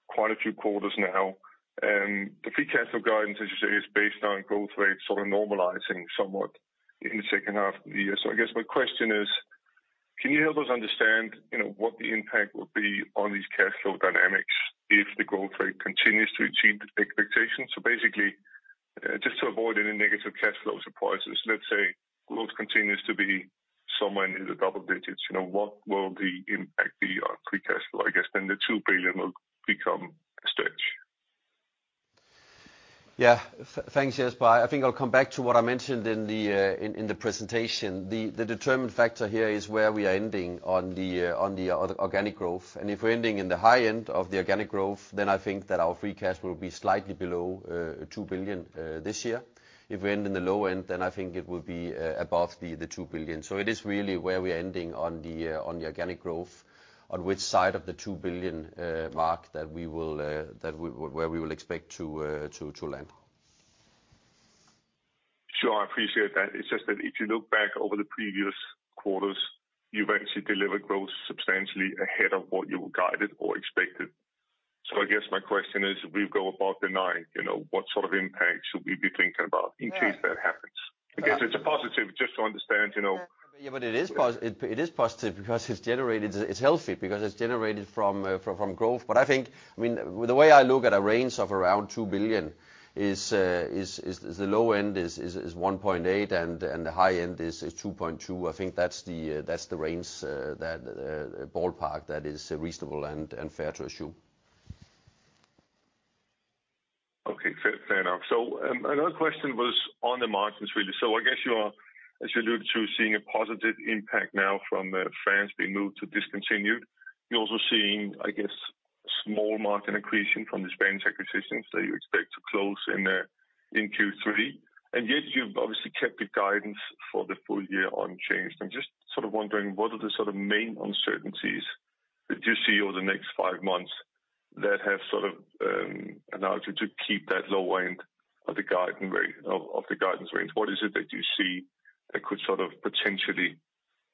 quite a few quarters now, and the free cash flow guidance, as you say, is based on growth rates sort of normalizing somewhat in the second half of the year. I guess my question is: can you help us understand, you know, what the impact will be on these cash flow dynamics if the growth rate continues to exceed expectations? Basically, just to avoid any negative cash flow surprises, let's say growth continues to be somewhere in the double digits. You know, what will the impact be on free cash flow? I guess then the $2 billion will become a stretch. Yeah. Thanks, Jesper. I think I'll come back to what I mentioned in the presentation. The determined factor here is where we are ending on the organic growth. If we're ending in the high end of the organic growth, then I think that our free cash will be slightly below 2 billion this year. If we end in the low end, then I think it will be above the 2 billion. It is really where we're ending on the organic growth, on which side of the 2 billion mark that we will, where we will expect to land. Sure, I appreciate that. It's just that if you look back over the previous quarters, you've actually delivered growth substantially ahead of what you guided or expected. I guess my question is, if we go above the 9, you know, what sort of impact should we be thinking about... Yeah. -in case that happens? I guess it's a positive, just to understand, you know? Yeah, it is positive because it's generated, it's healthy, because it's generated from, from growth. I think, I mean, the way I look at a range of around $2 billion is the low end is $1.8 billion, and the high end is $2.2 billion. I think that's the, that's the range, that ballpark that is reasonable and fair to assume. Okay, fair, fair enough. Another question was on the margins, really. I guess you are, as you look to seeing a positive impact now from France being moved to discontinued, you're also seeing, I guess, small margin accretion from the Spanish acquisitions that you expect to close in Q3. Yet you've obviously kept the guidance for the full year unchanged. I'm just sort of wondering, what are the sort of main uncertainties that you see over the next 5 months that have sort of allowed you to keep that low end of the guidance range, of, of the guidance range? What is it that you see that could sort of potentially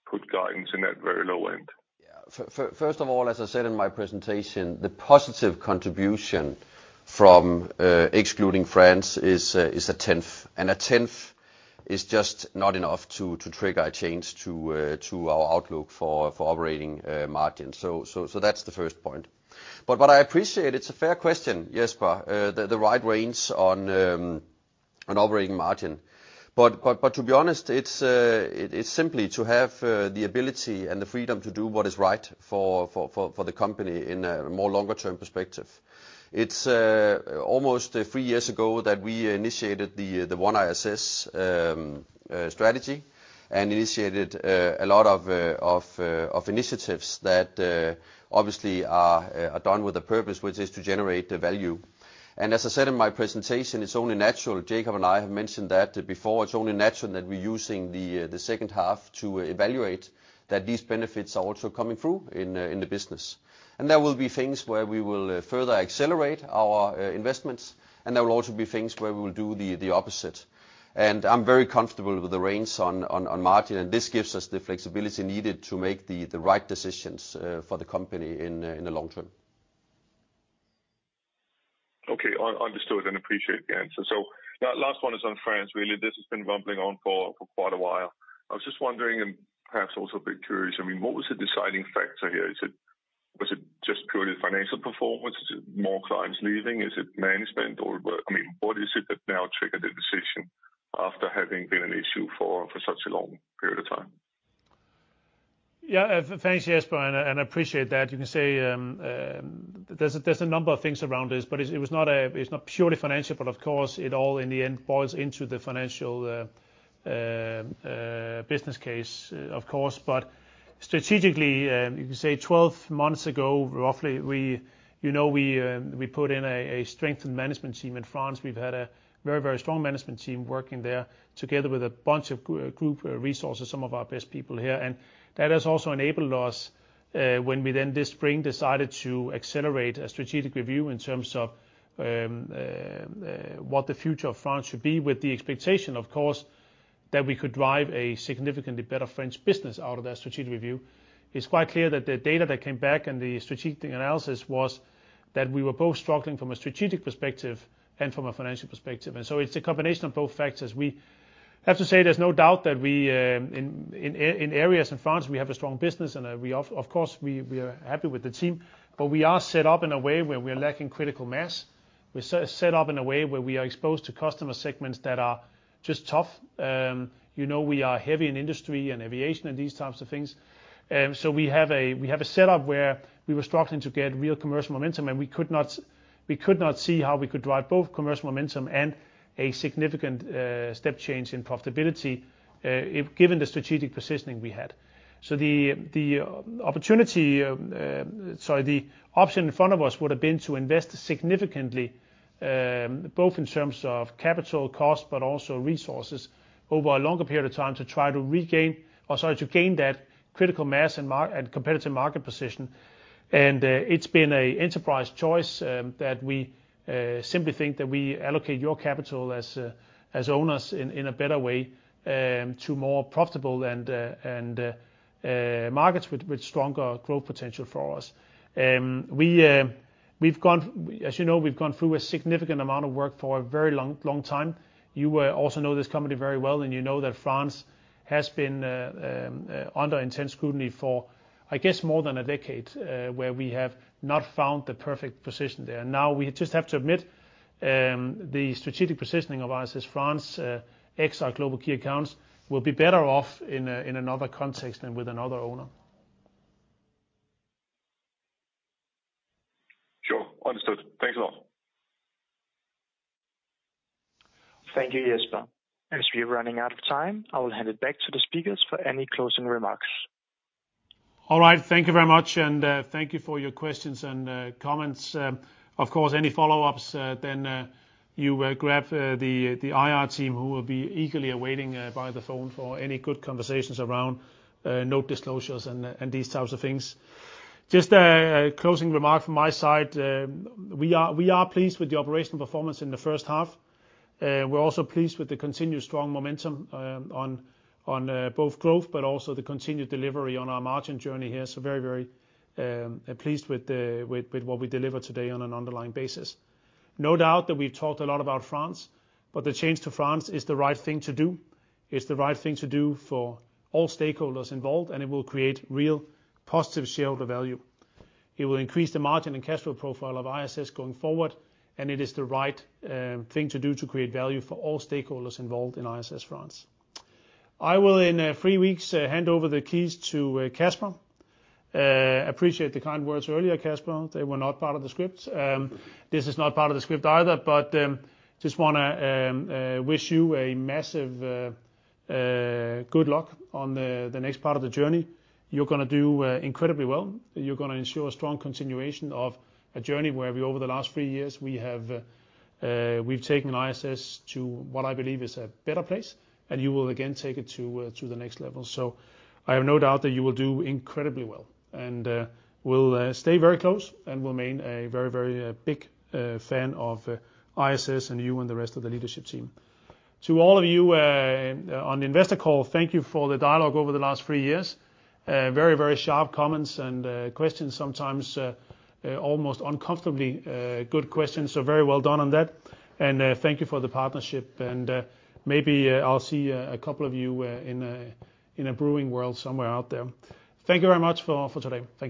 put guidance in that very low end? Yeah. First of all, as I said in my presentation, the positive contribution from, excluding France is 0.1, and 0.1 is just not enough to trigger a change to our outlook for operating margin. That's the first point. What I appreciate, it's a fair question, Jesper, the right range on operating margin. To be honest, it's simply to have the ability and the freedom to do what is right for the company in a more longer term perspective. It's almost 3 years ago that we initiated the OneISS strategy and initiated a lot of initiatives that obviously are done with a purpose, which is to generate the value. As I said in my presentation, it's only natural, Jacob and I have mentioned that before, it's only natural that we're using the second half to evaluate that these benefits are also coming through in the business. There will be things where we will further accelerate our investments, and there will also be things where we will do the opposite. I'm very comfortable with the range on, on, on margin, and this gives us the flexibility needed to make the right decisions for the company in the long term. Okay, understood and appreciate the answer. The last one is on France, really. This has been rumbling on for, for quite a while. I was just wondering, and perhaps also a bit curious, I mean, what was the deciding factor here? Was it just purely financial performance? Is it more clients leaving? Is it management or what? I mean, what is it that now triggered the decision after having been an issue for, for such a long period of time? Yeah, thanks, Jesper, and I appreciate that. You can say, there's a, there's a number of things around this, but it, it was not a -- it's not purely financial, but of course, it all in the end boils into the financial, business case, of course. Strategically, you can say 12 months ago, roughly we you know we put in a, a strengthened management team in France. We've had a very, very strong management team working there together with a bunch of group resources, some of our best people here, and that has also enabled us, when we then, this spring, decided to accelerate a strategic review in terms of what the future of France should be, with the expectation, of course, that we could drive a significantly better French business out of that strategic review. It's quite clear that the data that came back and the strategic analysis was that we were both struggling from a strategic perspective and from a financial perspective, and so it's a combination of both factors. We have to say, there's no doubt that we in areas in France, we have a strong business, and we of course, we are happy with the team, but we are set up in a way where we are lacking critical mass. We're set up in a way where we are exposed to customer segments that are just tough. You know, we are heavy in industry and aviation and these types of things. So we have a setup where we were struggling to get real commercial momentum, and we could not see how we could drive both commercial momentum and a significant step change in profitability, if given the strategic positioning we had. The, the opportunity, sorry, the option in front of us would have been to invest significantly, both in terms of capital cost, but also resources over a longer period of time, to try to regain or sorry, to gain that critical mass and market and competitive market position. It's been an enterprise choice that we simply think that we allocate your capital as owners in a better way to more profitable and markets with stronger growth potential for us. As you know, we've gone through a significant amount of work for a very long, long time. You also know this company very well, and you know that France has been under intense scrutiny for, I guess, more than a decade, where we have not found the perfect position there. Now we just have to admit, the strategic positioning of ours is France, exit our global key accounts will be better off in a, in another context and with another owner. Sure. Understood. Thanks a lot. Thank you, Jesper. As we are running out of time, I will hand it back to the speakers for any closing remarks. All right. Thank you very much. Thank you for your questions and comments. Of course, any follow-ups, then you will grab the IR team, who will be eagerly awaiting by the phone for any good conversations around note disclosures and these types of things. Just a, a closing remark from my side. We are, pleased with the operational performance in the first half. We're also pleased with the continued strong momentum on both growth, but also the continued delivery on our margin journey here. Very pleased with what we deliver today on an underlying basis. No doubt that we've talked a lot about France, but the change to France is the right thing to do. It's the right thing to do for all stakeholders involved, and it will create real positive shareholder value. It will increase the margin and cash flow profile of ISS going forward. It is the right, thing to do to create value for all stakeholders involved in ISS France. I will, in, 3 weeks, hand over the keys to, Kasper. Appreciate the kind words earlier, Kasper. They were not part of the script. This is not part of the script either, but, just wanna wish you a massive good luck on the next part of the journey. You're gonna do incredibly well. You're gonna ensure a strong continuation of a journey where we, over the last three years, we have, we've taken ISS to what I believe is a better place, and you will again take it to, to the next level. I have no doubt that you will do incredibly well. We'll, stay very close and will remain a very, very, big, fan of, ISS and you and the rest of the leadership team. To all of you, on the investor call, thank you for the dialogue over the last three years. Very, very sharp comments and, questions, sometimes, almost uncomfortably, good questions. Very well done on that, and thank you for the partnership, and maybe I'll see a couple of you in a brewing world somewhere out there. Thank you very much for today. Thank you.